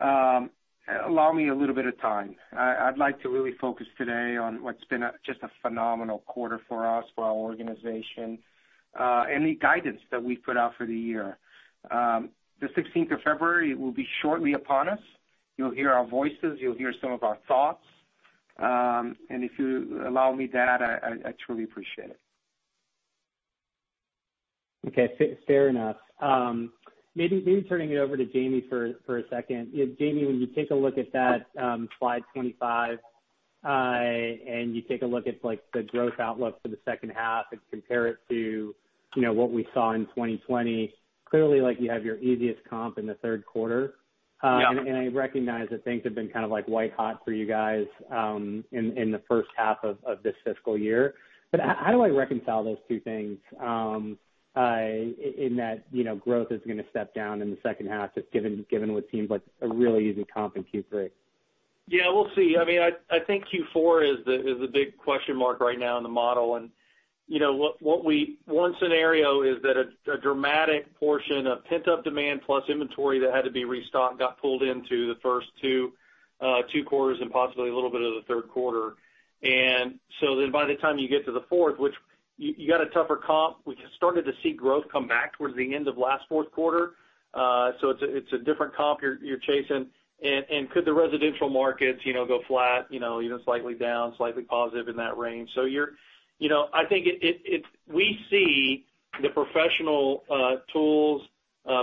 Allow me a little bit of time. I'd like to really focus today on what's been just a phenomenal quarter for us, for our organization. Any guidance that we put out for the year, the 16th of February will be shortly upon us. You'll hear our voices, you'll hear some of our thoughts. If you allow me that, I truly appreciate it. Okay. Fair enough. Maybe turning it over to Jamie for a second. Jamie, when you take a look at that slide 25, and you take a look at the growth outlook for the second half and compare it to what we saw in 2020, clearly you have your easiest comp in the third quarter. Yeah. I recognize that things have been kind of white-hot for you guys in the first half of this fiscal year. How do I reconcile those two things in that growth is going to step down in the second half given what seems like a really easy comp in Q3? Yeah. We'll see. I think Q4 is the big question mark right now in the model. One scenario is that a dramatic portion of pent-up demand plus inventory that had to be restocked got pulled into the first two quarters and possibly a little bit of the third quarter. By the time you get to the fourth. You got a tougher comp. We started to see growth come back towards the end of last fourth quarter. It's a different comp you're chasing. Could the residential markets go flat, even slightly down, slightly positive in that range. I think we see the professional tools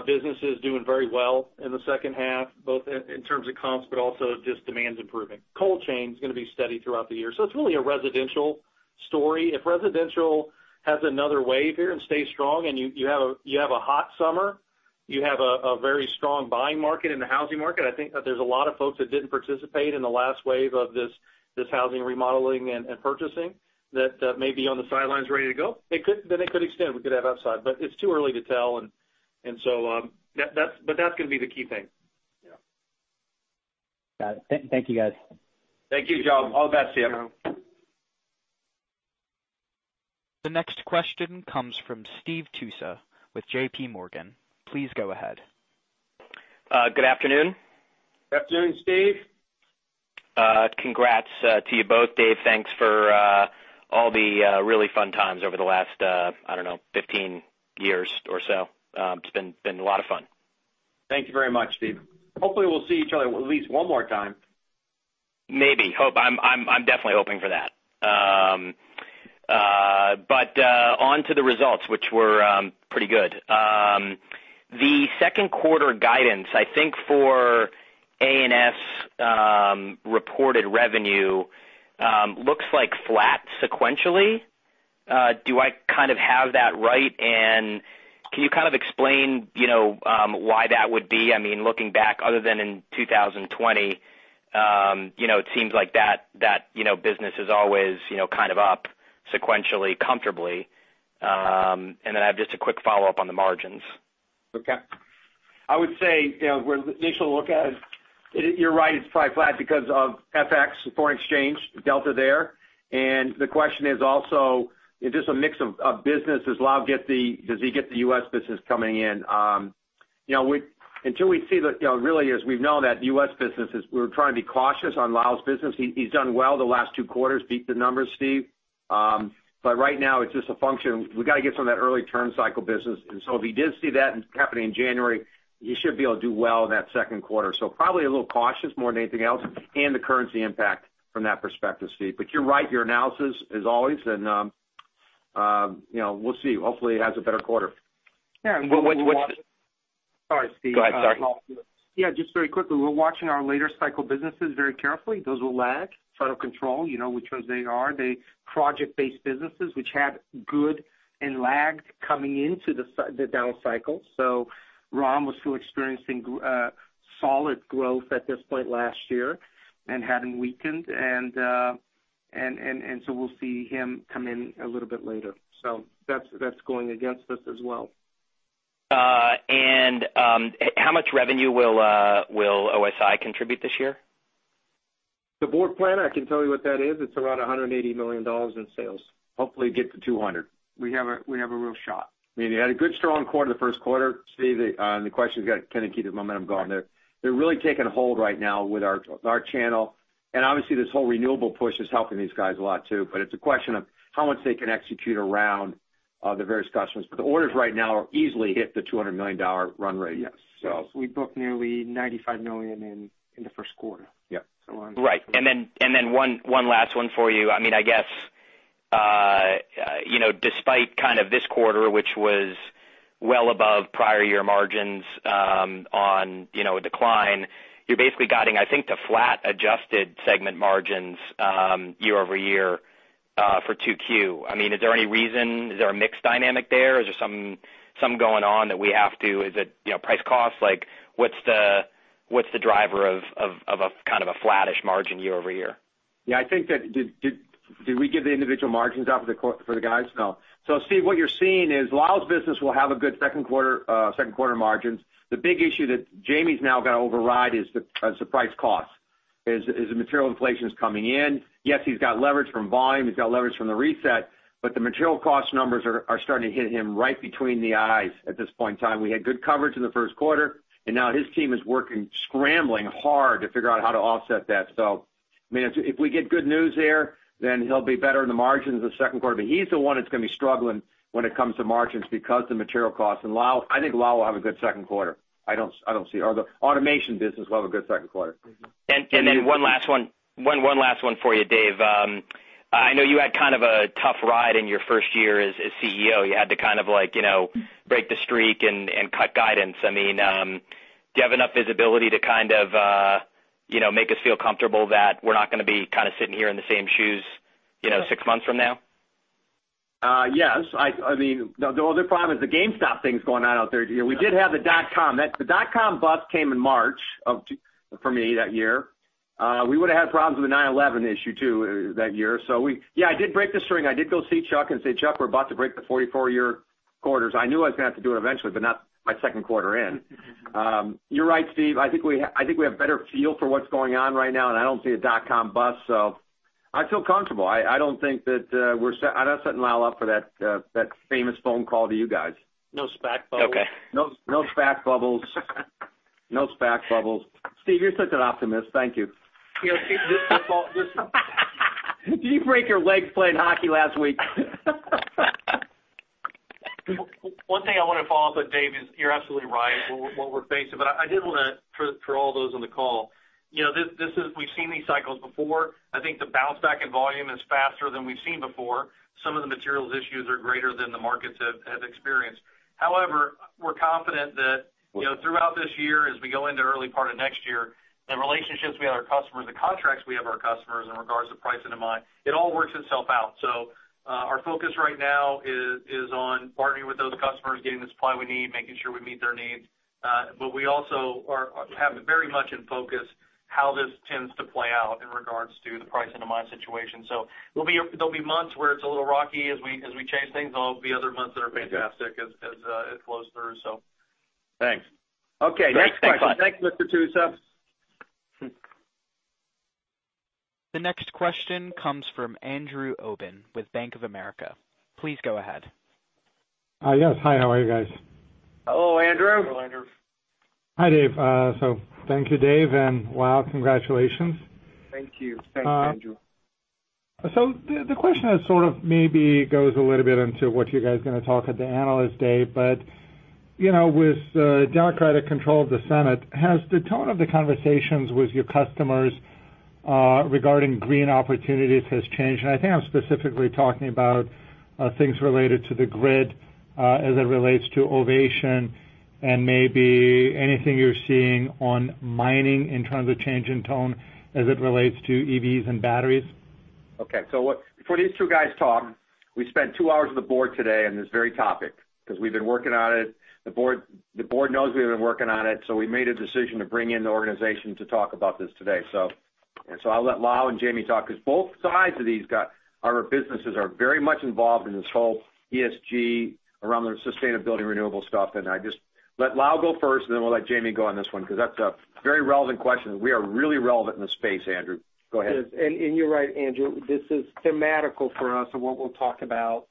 businesses doing very well in the second half, both in terms of comps, but also just demands improving. Cold chain is going to be steady throughout the year. It's really a residential story. If residential has another wave here and stays strong and you have a hot summer, you have a very strong buying market in the housing market, I think that there's a lot of folks that didn't participate in the last wave of this housing remodeling and purchasing that may be on the sidelines ready to go. It could extend, we could have upside. It's too early to tell, but that's going to be the key thing. Got it. Thank you, guys. Thank you, Joe. All the best to you. The next question comes from Steve Tusa with JPMorgan. Please go ahead. Good afternoon. Afternoon, Steve. Congrats to you both, David. Thanks for all the really fun times over the last, I don't know, 15 years or so. It's been a lot of fun. Thank you very much, Steve. Hopefully, we'll see each other at least one more time. Maybe. I'm definitely hoping for that. On to the results, which were pretty good. The second quarter guidance, I think for A&S reported revenue looks like flat sequentially. Do I kind of have that right? Can you kind of explain why that would be? Looking back, other than in 2020, it seems like that business is always kind of up sequentially, comfortably. Then I have just a quick follow-up on the margins. Okay. I would say the initial look at it, you're right, it's probably flat because of FX, foreign exchange, delta there. The question is also just a mix of businesses. Does he get the U.S. business coming in? Until we see that, really as we know that U.S. business is we're trying to be cautious on Lal's business. He's done well the last two quarters, beat the numbers, Steve. Right now, it's just a function. We got to get some of that early turn cycle business. If he did see that happening in January, he should be able to do well in that second quarter. Probably a little cautious more than anything else and the currency impact from that perspective, Steve. You're right, your analysis is always, and we'll see. Hopefully it has a better quarter. Yeah. What's Sorry, Steve. Go ahead. Sorry. Yeah, just very quickly. We're watching our later cycle businesses very carefully. Those will lag out of control, which ones they are. They project-based businesses, which had good and lagged coming into the down cycle. Ron was still experiencing solid growth at this point last year and hadn't weakened, and so we'll see him come in a little bit later. That's going against us as well. How much revenue will OSI contribute this year? The board plan, I can tell you what that is. It's around $180 million in sales. Hopefully get to 200. We have a real shot. They had a good strong quarter the first quarter. Steve, the question's got kind of keep the momentum going there. They're really taking hold right now with our channel. Obviously this whole renewable push is helping these guys a lot too, but it's a question of how much they can execute around the various customers. The orders right now will easily hit the $200 million run rate. Yes. We booked nearly $95 million in the first quarter. Yeah. Right. One last one for you. I guess despite kind of this quarter, which was well above prior year margins on a decline, you're basically guiding, I think, to flat adjusted segment margins year-over-year for 2-Q. Is there any reason, is there a mix dynamic there? Is there something going on that is it price cost? What's the driver of a kind of a flattish margin year-over-year? Yeah, I think did we give the individual margins out for the guys? No. Steve, what you're seeing is Lal's business will have a good second quarter margins. The big issue that Jamie's now got to override is the price cost. The material inflation is coming in. He's got leverage from volume. He's got leverage from the reset, the material cost numbers are starting to hit him right between the eyes at this point in time. We had good coverage in the first quarter, now his team is working, scrambling hard to figure out how to offset that. If we get good news there, he'll be better in the margins the second quarter. He's the one that's going to be struggling when it comes to margins because the material costs. Lal, I think Lal will have a good second quarter. The automation business will have a good second quarter. One last one for you, David. I know you had kind of a tough ride in your first year as CEO. You had to kind of break the streak and cut guidance. Do you have enough visibility to kind of make us feel comfortable that we're not going to be kind of sitting here in the same shoes six months from now? Yes. The other problem is the GameStop thing's going on out there. We did have the dot-com. The dot-com bust came in March for me that year. We would've had problems with the 9/11 issue, too, that year. Yeah, I did break the string. I did go see Chuck and say, "Chuck, we're about to break the 44-year quarters." I knew I was going to have to do it eventually, but not my second quarter in. You're right, Steve. I think we have a better feel for what's going on right now, and I don't see a dot-com bust, so I feel comfortable. I'm not setting Lal up for that famous phone call to you guys. No SPAC bubbles. Okay. No SPAC bubbles. Steve, you're such an optimist. Thank you. Did you break your leg playing hockey last week? One thing I want to follow up with, David, is you're absolutely right, what we're facing. I did want to, for all those on the call, we've seen these cycles before. I think the bounce back in volume is faster than we've seen before. Some of the materials issues are greater than the markets have experienced. However, we're confident that throughout this year, as we go into early part of next year, the relationships we have with our customers, the contracts we have our customers in regards to price and demand, it all works itself out. Our focus right now is on partnering with those customers, getting the supply we need, making sure we meet their needs. We also have very much in focus how this tends to play out in regards to the price and demand situation. There'll be months where it's a little rocky as we change things. There'll be other months that are fantastic as it flows through. Thanks. Okay, next question. Thanks, Mr. Tusa. The next question comes from Andrew Obin with Bank of America. Please go ahead. Yes. Hi, how are you guys? Hello, Andrew. Hello, Andrew. Hi, David. Thank you, David. Wow, congratulations. Thank you. Thanks, Andrew. The question is sort of maybe goes a little bit into what you guys are going to talk at the Analyst Day, but with Democratic control of the Senate, has the tone of the conversations with your customers regarding green opportunities has changed? I think I'm specifically talking about things related to the grid as it relates to Ovation and maybe anything you're seeing on mining in terms of change in tone as it relates to EVs and batteries. Okay. Before these two guys talk, we spent two hours with the board today on this very topic because we've been working on it. The board knows we've been working on it, so we made a decision to bring in the organization to talk about this today. I'll let Lal and Jamie talk, because both sides of these businesses are very much involved in this whole ESG around the sustainability renewable stuff. I just let Lal go first, and then we'll let Jamie go on this one, because that's a very relevant question. We are really relevant in the space, Andrew. Go ahead. You're right, Andrew. This is thematical for us of what we'll talk about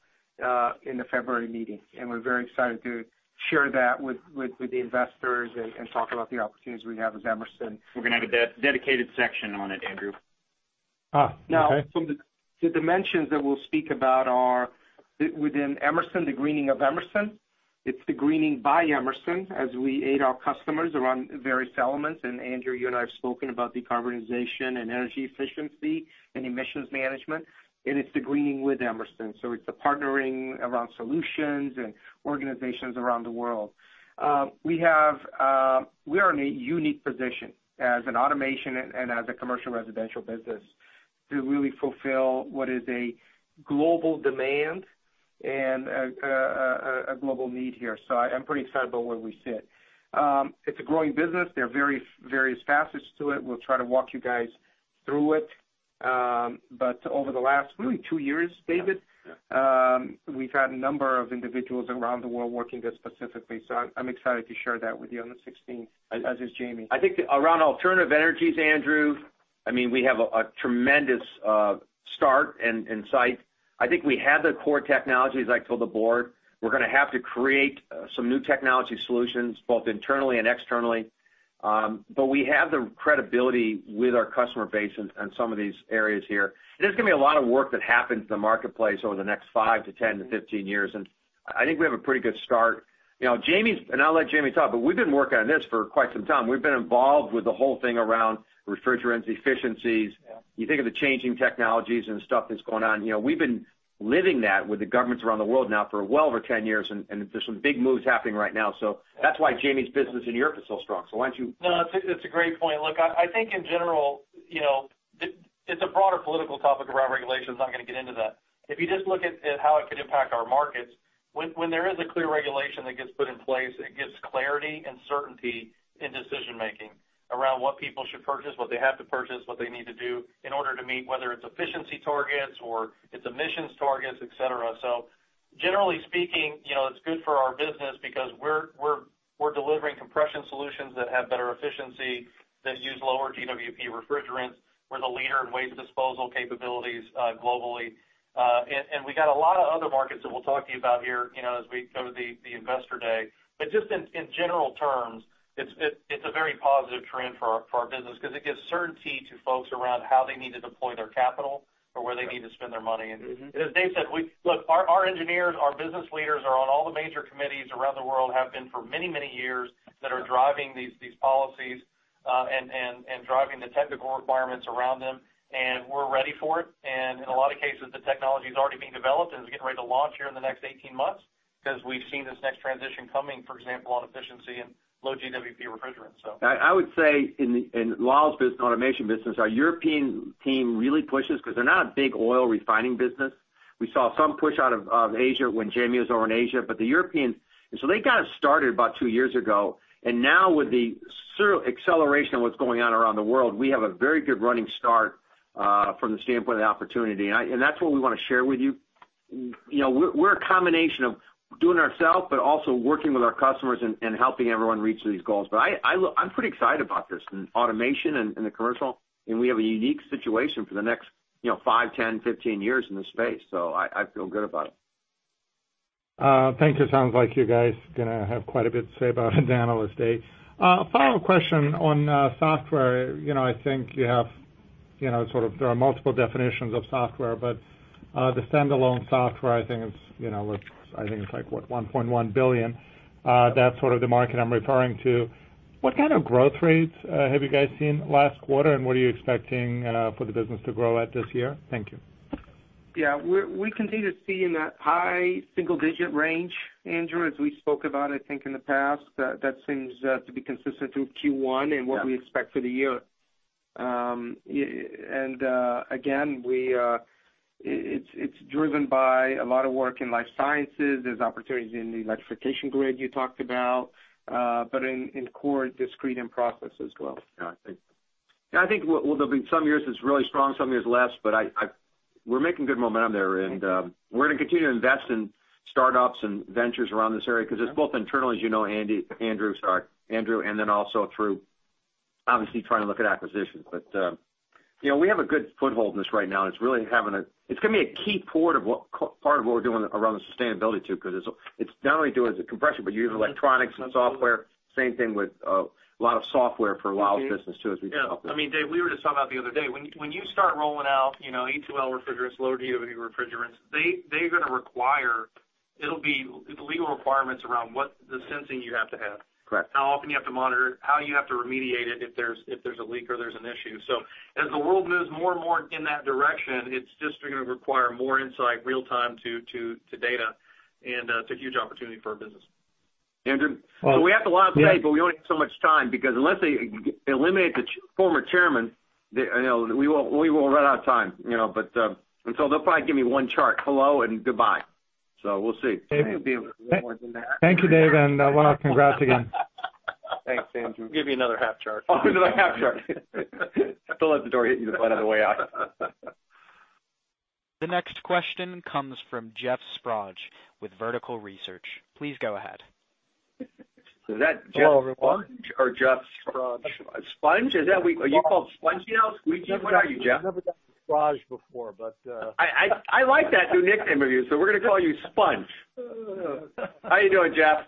in the February meeting, and we're very excited to share that with the investors and talk about the opportunities we have as Emerson. We're going to have a dedicated section on it, Andrew. Okay. From the dimensions that we'll speak about are within Emerson, the greening of Emerson. It's the greening by Emerson as we aid our customers around various elements. Andrew, you and I have spoken about decarbonization and energy efficiency and emissions management, and it's the greening with Emerson. It's the partnering around solutions and organizations around the world. We are in a unique position as an automation and as a commercial residential business to really fulfill what is a global demand and a global need here. I'm pretty excited about where we sit. It's a growing business. There are various facets to it. We'll try to walk you guys through it. Over the last really two years, David, we've had a number of individuals around the world working this specifically. I'm excited to share that with you on the 16th, as is Jamie. I think around alternative energies, Andrew, we have a tremendous start and insight. I think we have the core technologies. As I told the board, we're going to have to create some new technology solutions both internally and externally. We have the credibility with our customer base in some of these areas here. There's going to be a lot of work that happens in the marketplace over the next five to 10 to 15 years, and I think we have a pretty good start. I'll let Jamie talk, but we've been working on this for quite some time. We've been involved with the whole thing around refrigerants, efficiencies. You think of the changing technologies and stuff that's going on. We've been living that with the governments around the world now for well over 10 years, and there's some big moves happening right now. That's why Jamie's business in Europe is so strong. Why don't you? No, that's a great point. Look, I think in general, it's a broader political topic around regulation, so I'm not going to get into that. If you just look at how it could impact our markets, when there is a clear regulation that gets put in place, it gives clarity and certainty in decision-making around what people should purchase, what they have to purchase, what they need to do in order to meet, whether it's efficiency targets or it's emissions targets, et cetera. Generally speaking, it's good for our business because we're delivering compression solutions that have better efficiency that use lower GWP refrigerants. We're the leader in waste disposal capabilities globally. We got a lot of other markets that we'll talk to you about here as we go to the investor day. Just in general terms, it's a very positive trend for our business because it gives certainty to folks around how they need to deploy their capital or where they need to spend their money. As David said, look, our engineers, our business leaders are on all the major committees around the world, have been for many, many years, that are driving these policies, and driving the technical requirements around them. We're ready for it. In a lot of cases, the technology is already being developed and is getting ready to launch here in the next 18 months because we've seen this next transition coming, for example, on efficiency and low GWP refrigerants. I would say in Lal's business, automation business, our European team really pushes because they're not a big oil refining business. We saw some push out of Asia when Jamie was over in Asia. The Europeans, they got us started about two years ago, and now with the acceleration of what's going on around the world, we have a very good running start from the standpoint of opportunity, and that's what we want to share with you. We're a combination of doing ourselves, but also working with our customers and helping everyone reach these goals. I'm pretty excited about this in automation and the commercial, and we have a unique situation for the next five, 10, 15 years in this space. I feel good about it. Thank you. Sounds like you guys are going to have quite a bit to say about it at the Analyst Day. Final question on software. I think there are multiple definitions of software, but the standalone software, I think it's like $1.1 billion. That's sort of the market I'm referring to. What kind of growth rates have you guys seen last quarter, and what are you expecting for the business to grow at this year? Thank you. Yeah. We continue to see in that high single-digit range, Andrew, as we spoke about, I think, in the past. That seems to be consistent through Q1 and what we expect for the year. Again, it's driven by a lot of work in life sciences. There's opportunities in the electrification grid you talked about, but in core, discrete, and process as well. Yeah, I think there'll be some years that's really strong, some years less, but we're making good momentum there. We're going to continue to invest in startups and ventures around this area because it's both internal, as you know, Andrew, and then also through obviously trying to look at acquisitions. We have a good foothold in this right now, and it's going to be a key part of what we're doing around the sustainability, too, because it's not only doing the compression, but you have electronics and software. Same thing with a lot of software for Lal's business, too, as we talked about. Yeah. David, we were just talking about the other day, when you start rolling out A2L refrigerants, low GWP refrigerants, they're going to require legal requirements around what the sensing you have to have. Correct. How often you have to monitor it, how you have to remediate it if there's a leak or there's an issue. As the world moves more and more in that direction, it's just going to require more insight real time to data, and it's a huge opportunity for our business. Andrew, we have a lot to say, we only have so much time because unless they eliminate the former Chairman, we will run out of time. They'll probably give me one chart, hello and goodbye. We'll see. Thank you, David, and well, congrats again. Thanks, Andrew. We'll give you another half chart. Oh, another half chart. Don't let the door hit you on the way out. The next question comes from Jeff Sprague with Vertical Research. Please go ahead. Is that Jeff Sprague or Jeff Sprague? Sponge? Are you called Sponge now, Squeaky? What are you, Jeff? I've never gotten Sprague before. I like that new nickname of you, so we're going to call you Sponge. How you doing, Jeff?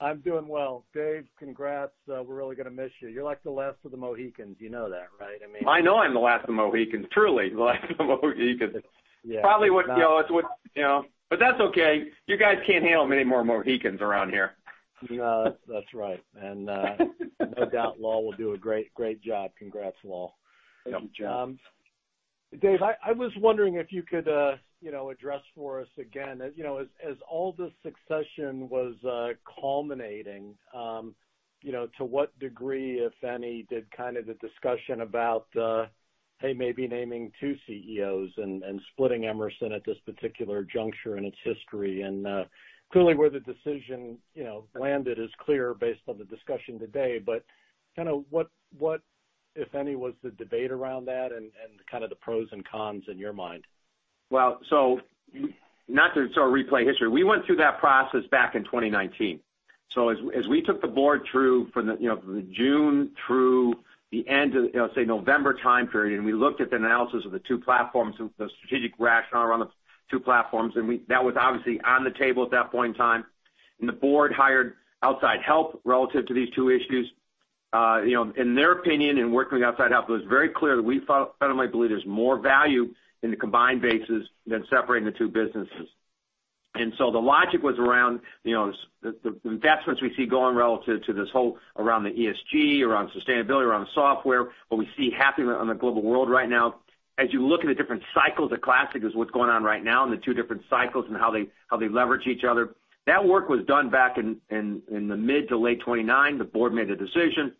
I'm doing well. David, congrats. We're really going to miss you. You're like the last of the Mohicans, you know that, right? I know I'm the last of the Mohicans, truly the last of the Mohicans. That's okay. You guys can't handle many more Mohicans around here. No, that's right. No doubt Lal will do a great job. Congrats, Lal. Thank you, Jeff. David, I was wondering if you could address for us again, as all this succession was culminating, to what degree, if any, did kind of the discussion about, hey, maybe naming two CEOs and splitting Emerson at this particular juncture in its history. Clearly where the decision landed is clear based on the discussion today, but what, if any, was the debate around that and kind of the pros and cons in your mind? Not to sort of replay history. We went through that process back in 2019. As we took the board through from the June through the end of, say, November time period, and we looked at the analysis of the two platforms, the strategic rationale around the two platforms, that was obviously on the table at that point in time. The board hired outside help relative to these two issues. In their opinion, in working with outside help, it was very clear that we fundamentally believe there's more value in the combined basis than separating the two businesses. The logic was around the investments we see going relative to this whole around the ESG, around sustainability, around the software, what we see happening on the global world right now. As you look at the different cycles, the classic is what's going on right now and the two different cycles and how they leverage each other. That work was done back in the mid to late 2019. The board made the decision.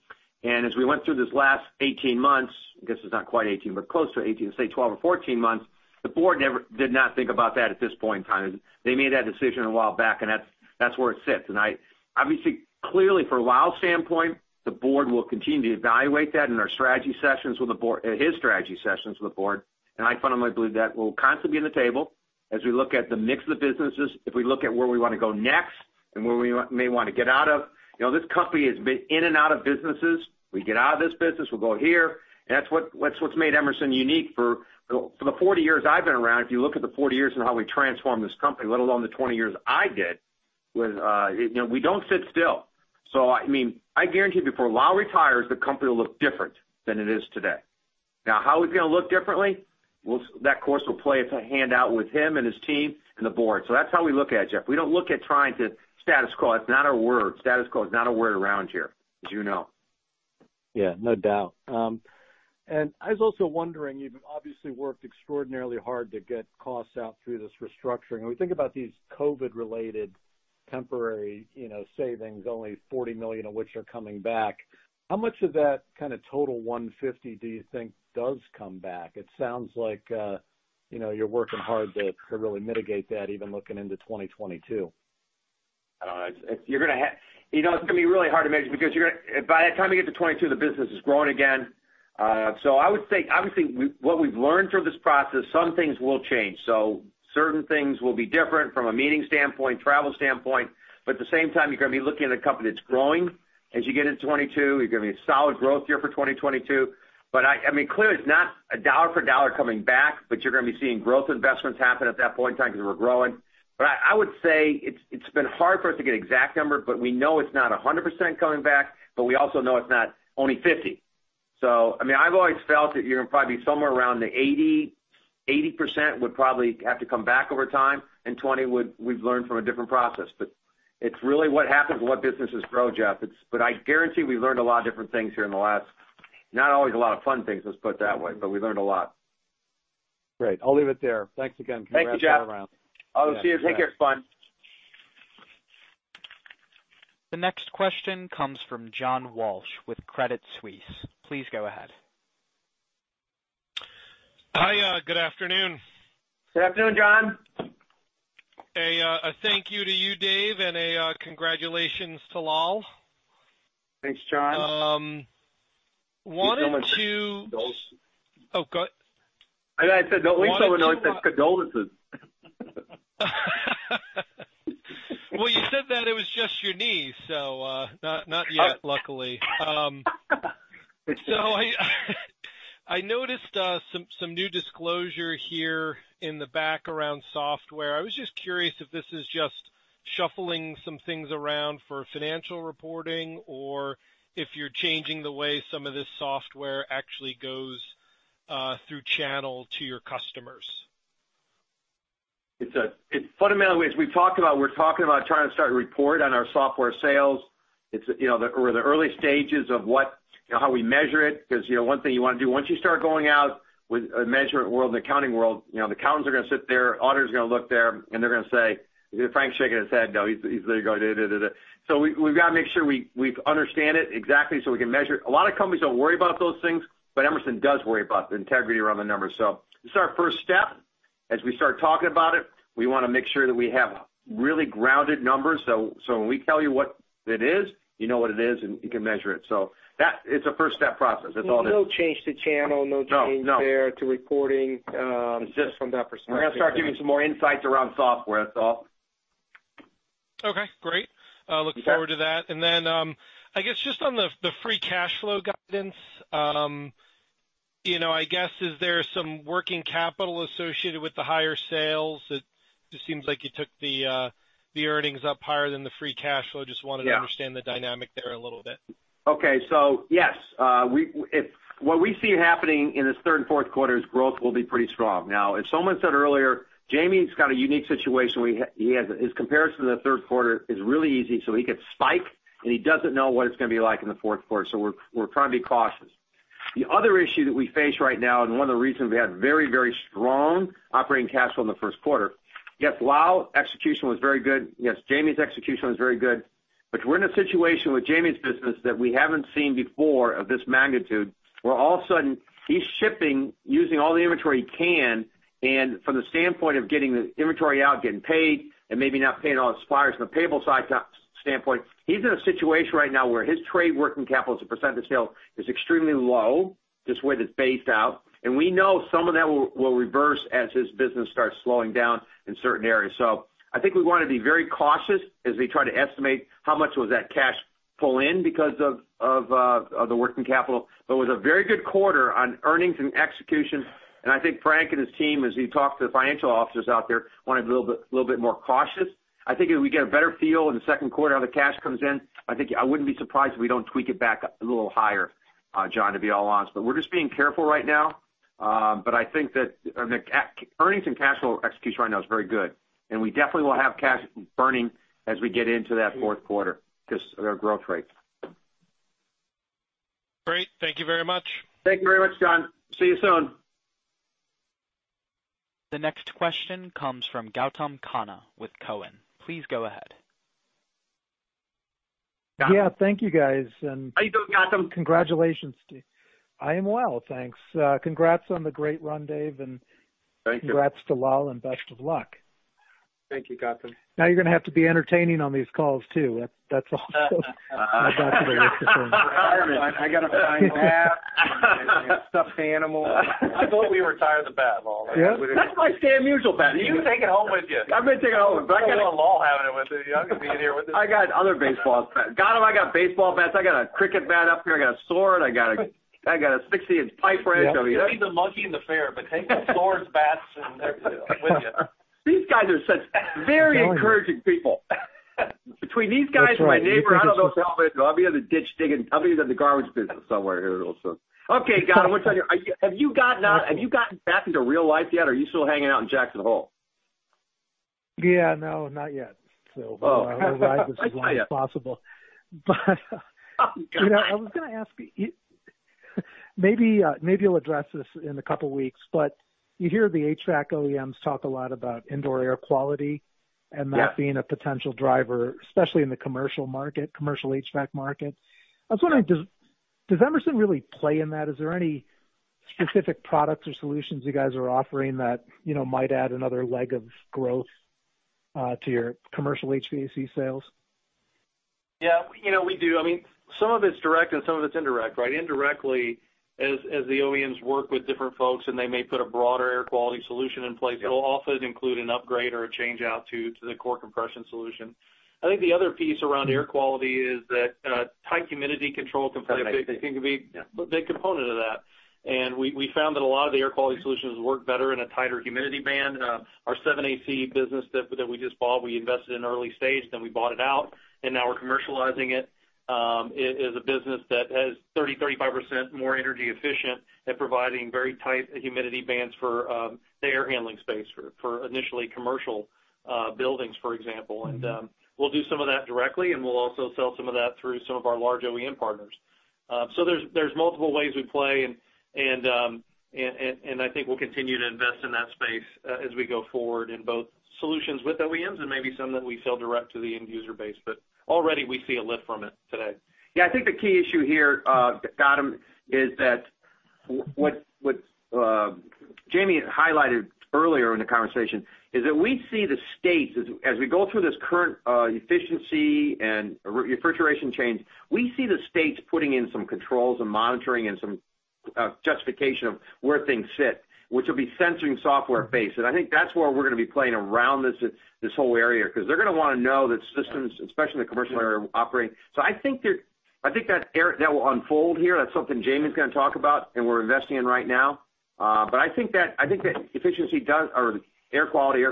As we went through these last 18 months, I guess it's not quite 18, but close to 18, let's say 12 or 14 months, the board did not think about that at this point in time. They made that decision a while back, that's where it sits. Obviously, clearly from Lal's standpoint, the board will continue to evaluate that in his strategy sessions with the board. I fundamentally believe that will constantly be on the table as we look at the mix of the businesses, if we look at where we want to go next and where we may want to get out of. This company has been in and out of businesses. We get out of this business, we'll go here. That's what's made Emerson unique for the 40 years I've been around. If you look at the 40 years and how we transformed this company, let alone the 20 years I did, we don't sit still. I guarantee before Lal retires, the company will look different than it is today. How it's going to look differently, that course will play a handout with him and his team and the board. That's how we look at it, Jeff. We don't look at trying to status quo. It's not our word. Status quo is not a word around here, as you know. Yeah, no doubt. I was also wondering, you've obviously worked extraordinarily hard to get costs out through this restructuring. When we think about these COVID-related temporary savings, only $40 million of which are coming back, how much of that kind of total $150 do you think does come back? It sounds like you're working hard to really mitigate that, even looking into 2022. It's going to be really hard to measure because by the time we get to 2022, the business is growing again. I would say, obviously, what we've learned through this process, some things will change. Certain things will be different from a meeting standpoint, travel standpoint, at the same time, you're going to be looking at a company that's growing as you get into 2022. You're giving a solid growth year for 2022. Clearly, it's not a dollar for dollar coming back, you're going to be seeing growth investments happen at that point in time because we're growing. I would say it's been hard for us to get an exact number, we know it's not 100% coming back, we also know it's not only 50%. I've always felt that you're going to probably be somewhere around the 80% would probably have to come back over time, and 20% we've learned from a different process. It's really what happens when businesses grow, Jeff. I guarantee we've learned a lot of different things here in the last, not always a lot of fun things, let's put it that way, but we learned a lot. Great. I'll leave it there. Thanks again. Thank you, Jeff. Congrats all around. I'll see you. Take care. Bye. The next question comes from John Walsh with Credit Suisse. Please go ahead. Hi, good afternoon. Good afternoon, John. A thank you to you, David, and a congratulations to Lal. Thanks, John. Wanted to You so much, condolences. Oh, go I said, don't leave so I said condolences. Well, you said that it was just your knee, not yet, luckily. I noticed some new disclosure here in the back around software. I was just curious if this is just shuffling some things around for financial reporting, or if you're changing the way some of this software actually goes through channel to your customers. Fundamentally, as we've talked about, we're talking about trying to start a report on our software sales. We're in the early stages of how we measure it, because one thing you want to do once you start going out with a measurement world, an accounting world, the accountants are going to sit there, auditors are going to look there, and they're going to say Frank's shaking his head no. He's literally going, "Da, da, da." We've got to make sure we understand it exactly so we can measure it. A lot of companies don't worry about those things, but Emerson does worry about the integrity around the numbers. This is our first step. As we start talking about it, we want to make sure that we have really grounded numbers, so when we tell you what it is, you know what it is, and you can measure it. That is a first-step process. That's all it is. There's no change to channel. No no change there to reporting. It's just from that perspective. We're going to start giving some more insights around software. That's all. Okay, great. Looking forward to that. I guess just on the free cash flow guidance, I guess, is there some working capital associated with the higher sales? It just seems like you took the earnings up higher than the free cash flow just want to understand the dynamic there a little bit. Okay, yes. What we see happening in this third and fourth quarter is growth will be pretty strong. Now, as someone said earlier, Jamie's got a unique situation. His comparison to the third quarter is really easy, so he could spike, and he doesn't know what it's going to be like in the fourth quarter, so we're trying to be cautious. The other issue that we face right now, and one of the reasons we had very strong operating cash flow in the first quarter, yes, Lal execution was very good. Yes, Jamie's execution was very good. We're in a situation with Jamie's business that we haven't seen before of this magnitude, where all of a sudden he's shipping using all the inventory he can, and from the standpoint of getting the inventory out, getting paid, and maybe not paying all his suppliers from a payable side standpoint, he's in a situation right now where his trade working capital as a percentage sale is extremely low, just the way that it's based out. We know some of that will reverse as his business starts slowing down in certain areas. I think we want to be very cautious as we try to estimate how much was that cash pull in because of the working capital. It was a very good quarter on earnings and execution, and I think Frank and his team, as he talked to the financial officers out there, wanted to be a little bit more cautious. I think as we get a better feel in the second quarter how the cash comes in, I wouldn't be surprised if we don't tweak it back up a little higher, John, to be all honest. We're just being careful right now. I think that earnings and cash flow execution right now is very good, and we definitely will have cash burning as we get into that fourth quarter because of their growth rate. Great. Thank you very much. Thank you very much, John. See you soon. The next question comes from Gautam Khanna with Cowen. Please go ahead. Gautam. Yeah, thank you, guys. How you doing, Gautam? Congratulations to you. I am well, thanks. Congrats on the great run, David. Thank you. Congrats to Lal, and best of luck. Thank you, Gautam. Now you're going to have to be entertaining on these calls, too. That's all I got for the rest of the team. <crosstalk> I got other baseball bats. Gautam, I got baseball bats. I got a cricket bat up here. I got a sword. I got a six-inch pipe wrench over here. Leave the monkey and the bear, take the swords, bats, and everything with you. These guys are such very encouraging people. That's right. Between these guys and my neighbor, I don't know if I'll be in the ditch digging. I'll be in the garbage business somewhere here real soon. Okay, Gautam, have you gotten back into real life yet, or are you still hanging out in Jackson Hole? Yeah, no, not yet. Oh. Going to ride this as long as possible. I was going to ask you, maybe you'll address this in a couple of weeks, but you hear the HVAC OEMs talk a lot about indoor air quality. Yeah That being a potential driver, especially in the commercial market, commercial HVAC market. I was wondering, does Emerson really play in that? Is there any specific products or solutions you guys are offering that might add another leg of growth to your commercial HVAC sales? Yeah, we do. Some of it's direct and some of it's indirect. Indirectly, as the OEMs work with different folks and they may put a broader air quality solution in place, it'll often include an upgrade or a change-out to the core compression solution. I think the other piece around air quality is that tight humidity control can play a big component of that. We found that a lot of the air quality solutions work better in a tighter humidity band. Our 780 business that we just bought, we invested in early stage, then we bought it out, and now we're commercializing it. It is a business that has 30%, 35% more energy efficient at providing very tight humidity bands for the air handling space for initially commercial buildings, for example. We'll do some of that directly, and we'll also sell some of that through some of our large OEM partners. There's multiple ways we play, and I think we'll continue to invest in that space as we go forward in both solutions with OEMs and maybe some that we sell direct to the end user base. Already we see a lift from it today. Yeah. I think the key issue here, Gautam, is that what Jamie highlighted earlier in the conversation is that as we go through this current efficiency and refrigeration change, we see the states putting in some controls and monitoring and some justification of where things sit, which will be sensoring software base. I think that's where we're going to be playing around this whole area, because they're going to want to know that systems, especially in the commercial area, are operating. I think that will unfold here. That's something Jamie's going to talk about and we're investing in right now. I think that air quality,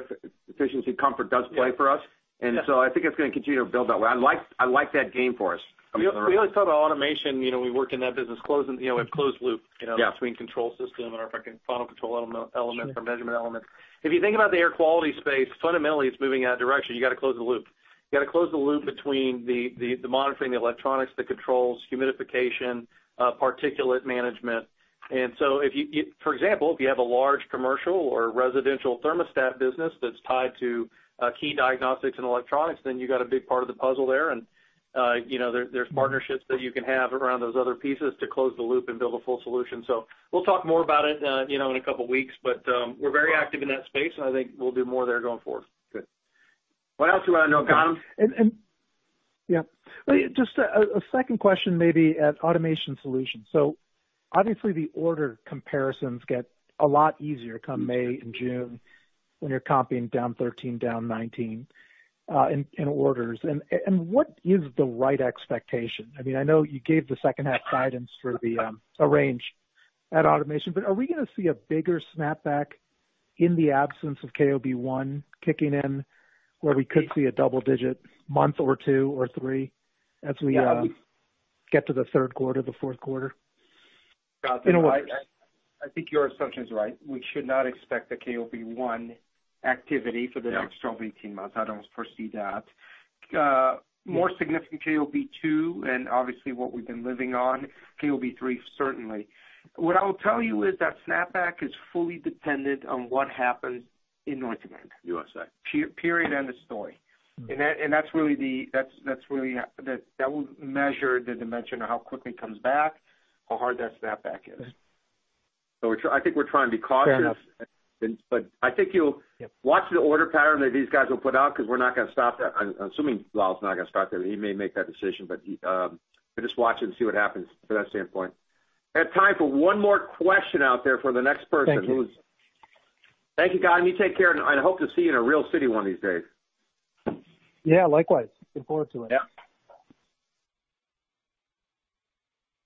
efficiency, comfort does play for us. I think it's going to continue to build that way. I like that game for us. We always talk about automation. We work in that business. We have closed loop Yeah between control system and our final control element or measurement element. If you think about the air quality space, fundamentally it's moving in that direction. You got to close the loop between the monitoring the electronics that controls humidification, particulate management. For example, if you have a large commercial or residential thermostat business that's tied to key diagnostics and electronics, then you've got a big part of the puzzle there. There's partnerships that you can have around those other pieces to close the loop and build a full solution. We'll talk more about it in a couple of weeks. We're very active in that space, and I think we'll do more there going forward. Good. What else you want to know, Gautam? Yeah. Just a second question, maybe at Automation Solutions. Obviously the order comparisons get a lot easier come May and June when you're copying down 13%, down 19% in orders. What is the right expectation? I know you gave the second half guidance for the range at Automation, are we going to see a bigger snapback in the absence of KOB1 kicking in where we could see a double-digit month or two or three as we get to the third quarter, fourth quarter? In orders. Gautam, I think your assumption is right. We should not expect a KOB1 activity for the next 18 months. I don't foresee that. More significant KOB2 and obviously what we've been living on, KOB3, certainly. What I will tell you is that snapback is fully dependent on what happens in North America. USA. Period, end of story. That will measure the dimension of how quickly it comes back, how hard that snapback is. I think we're trying to be cautious. Fair enough. I think you'll watch the order pattern that these guys will put out because we're not going to stop that. I'm assuming Lal's not going to stop that, but he may make that decision. Just watch it and see what happens from that standpoint. I have time for one more question out there for the next person. Thank you. Thank you, Gautam. You take care, and I hope to see you in a real city one of these days. Yeah, likewise. Look forward to it. Yeah.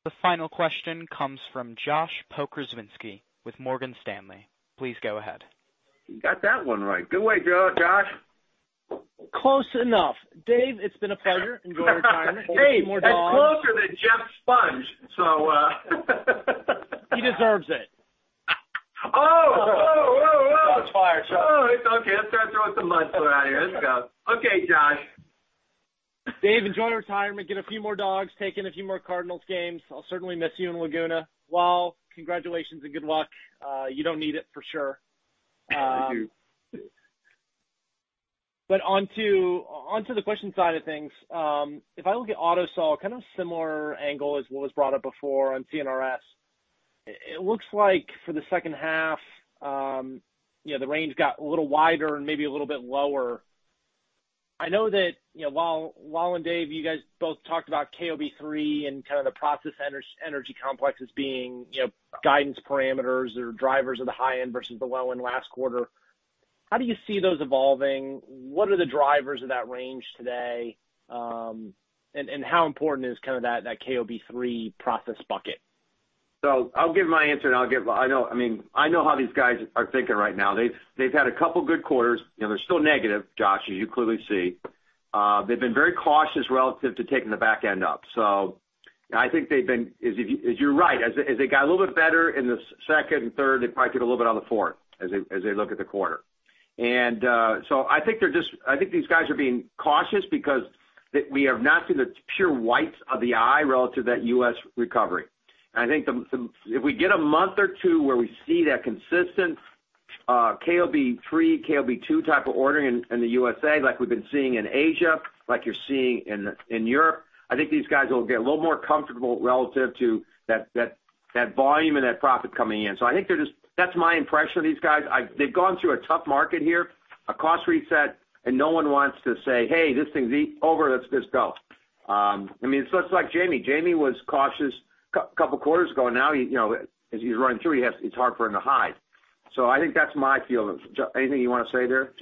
The final question comes from Josh Pokrzywinski with Morgan Stanley. Please go ahead. You got that one right. Good way, Josh. Close enough. David, it's been a pleasure. Enjoy retirement. Get some more dogs. Hey, it's closer than Jeff Sprague <crosstalk> It's okay. Let's start throwing some mud slung out here. Let's go. Okay, Josh. David, enjoy retirement. Get a few more dogs. Take in a few more Cardinals games. I'll certainly miss you in Laguna. Lal, congratulations and good luck. You don't need it for sure. Thank you. Onto the question side of things. If I look at AUTOSOL, kind of similar angle as what was brought up before on C&RS. It looks like for the second half, the range got a little wider and maybe a little bit lower. I know that Lal and David, you guys both talked about KOB3 and kind of the process energy complex as being guidance parameters or drivers of the high end versus the low end last quarter. How do you see those evolving? What are the drivers of that range today? How important is that KOB3 process bucket? I'll give my answer, and I know how these guys are thinking right now. They've had a couple good quarters. They're still negative, Josh, as you clearly see. They've been very cautious relative to taking the back end up. I think you're right. As they got a little bit better in the second and third, they probably get a little bit on the fourth as they look at the quarter. I think these guys are being cautious because we have not seen the pure whites of the eye relative to that U.S. recovery. I think if we get a month or two where we see that consistent KOB3, KOB2 type of ordering in the USA like we've been seeing in Asia, like you're seeing in Europe, I think these guys will get a little more comfortable relative to that volume and that profit coming in. I think that's my impression of these guys. They've gone through a tough market here, a cost reset, and no one wants to say, "Hey, this thing's over. Let's just go." It's like Jamie. Jamie was cautious a couple of quarters ago. Now, as he's running through, it's hard for him to hide. I think that's my feeling. Anything you want to say there?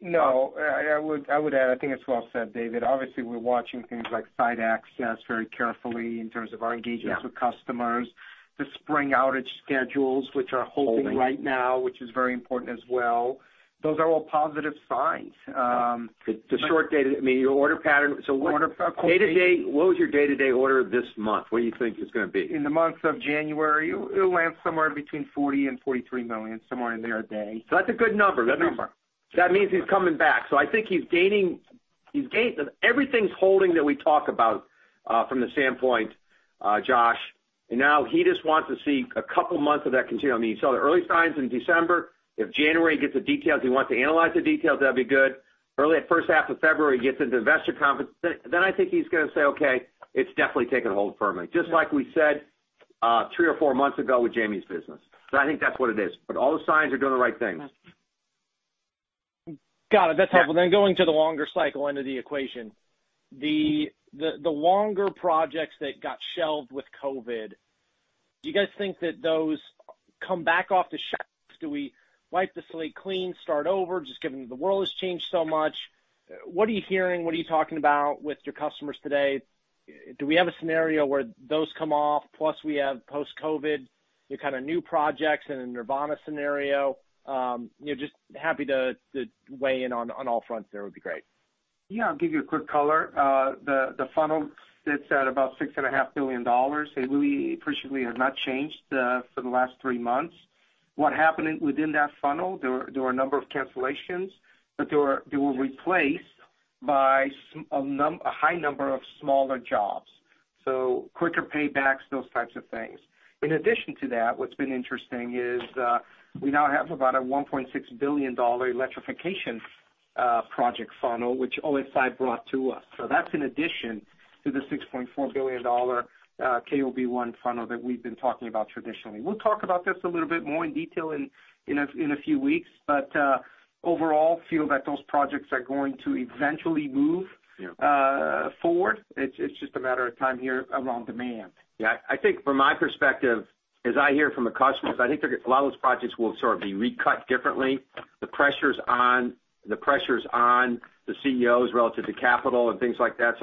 No. I would add, I think it's well said, David. Obviously, we're watching things like site access very carefully in terms of our engagements with customers. The spring outage schedules, which are holding right now, which is very important as well. Those are all positive signs. The short data, your order pattern. Order pattern. Day-to-day, what was your day-to-day order this month? What do you think it's going to be? In the months of January, it'll land somewhere between $40 million and $43 million, somewhere in there a day. That's a good number. Good number. That means he's coming back. I think everything's holding that we talk about from the standpoint, Josh. Now he just wants to see a couple months of that continue. You saw the early signs in December. If January gets the details, he wants to analyze the details, that'd be good. Early first half of February, he gets into investor conference. I think he's going to say, "Okay, it's definitely taken hold firmly." Just like we said three or four months ago with Jamie's business. I think that's what it is. All the signs are doing the right things. Got it. That's helpful. Going to the longer cycle end of the equation. The longer projects that got shelved with COVID-19, do you guys think that those come back off the shelves? Do we wipe the slate clean, start over? Just given the world has changed so much, what are you hearing? What are you talking about with your customers today? Do we have a scenario where those come off, plus we have post-COVID-19, the kind of new projects in a Nirvana scenario? Just happy to weigh in on all fronts there would be great. Yeah, I'll give you a quick color. The funnel sits at about $6.5 billion. It really, appreciably has not changed for the last three months. What happened within that funnel, there were a number of cancellations, but they were replaced by a high number of smaller jobs. Quicker paybacks, those types of things. In addition to that, what's been interesting is we now have about a $1.6 billion electrification project funnel, which OSI brought to us. That's in addition to the $6.4 billion KOB1 funnel that we've been talking about traditionally. We'll talk about this a little bit more in detail in a few weeks. Overall, feel that those projects are going to eventually move forward. It's just a matter of time here around demand. Yeah. I think from my perspective, as I hear from the customers, I think a lot of those projects will sort of be recut differently. The pressure's on the CEOs relative to capital and things like that.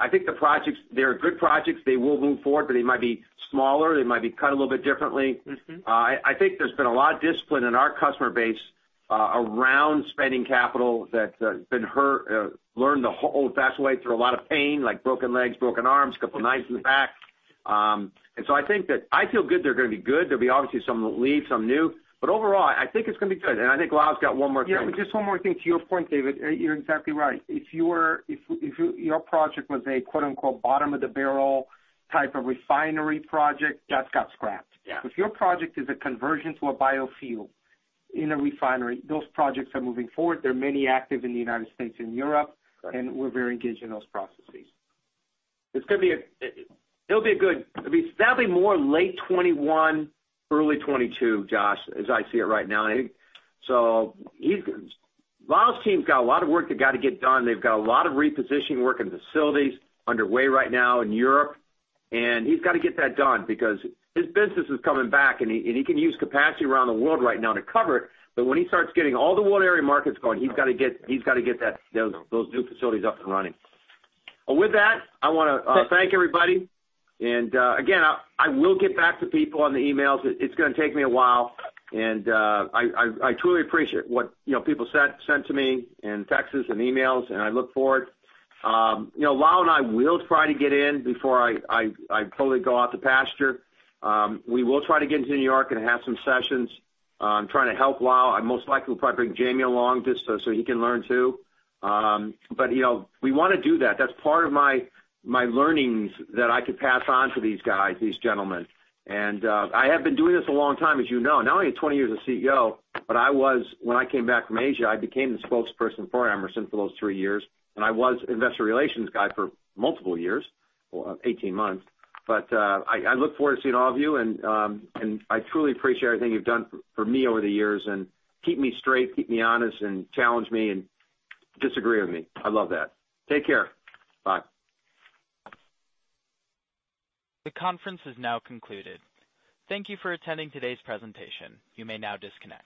I think the projects, they are good projects. They will move forward, but they might be smaller, they might be cut a little bit differently. I think there's been a lot of discipline in our customer base around spending capital that's been learned the old-fashioned way through a lot of pain, like broken legs, broken arms, couple knives in the back. I think that I feel good they're going to be good. There'll be obviously some that leave, some new. Overall, I think it's going to be good. I think Lal's got one more thing. Yeah, just one more thing. To your point, David, you're exactly right. If your project was a "bottom of the barrel" type of refinery project, that's got scrapped. Yeah. If your project is a conversion to a biofuel in a refinery, those projects are moving forward. There are many active in the United States and Europe, and we're very engaged in those processes. It'll be probably more late 2021, early 2022, Josh, as I see it right now. Lal's team's got a lot of work they got to get done. They've got a lot of repositioning work in facilities underway right now in Europe, and he's got to get that done because his business is coming back, and he can use capacity around the world right now to cover it. When he starts getting all the world area markets going, he's got to get those new facilities up and running. With that, I want to thank everybody. Again, I will get back to people on the emails. It's going to take me a while. I truly appreciate what people sent to me in texts and emails, and I look forward. Lal and I will try to get in before I totally go out to pasture. We will try to get into New York and have some sessions. I'm trying to help Lal. I most likely will probably bring Jamie along just so he can learn, too. We want to do that. That's part of my learnings that I could pass on to these guys, these gentlemen. I have been doing this a long time, as you know. Not only 20 years as CEO, but when I came back from Asia, I became the spokesperson for Emerson for those three years, and I was investor relations guy for multiple years, 18 months. I look forward to seeing all of you, and I truly appreciate everything you've done for me over the years, and keep me straight, keep me honest, and challenge me, and disagree with me. I love that. Take care. Bye. The conference is now concluded. Thank you for attending today's presentation. You may now disconnect.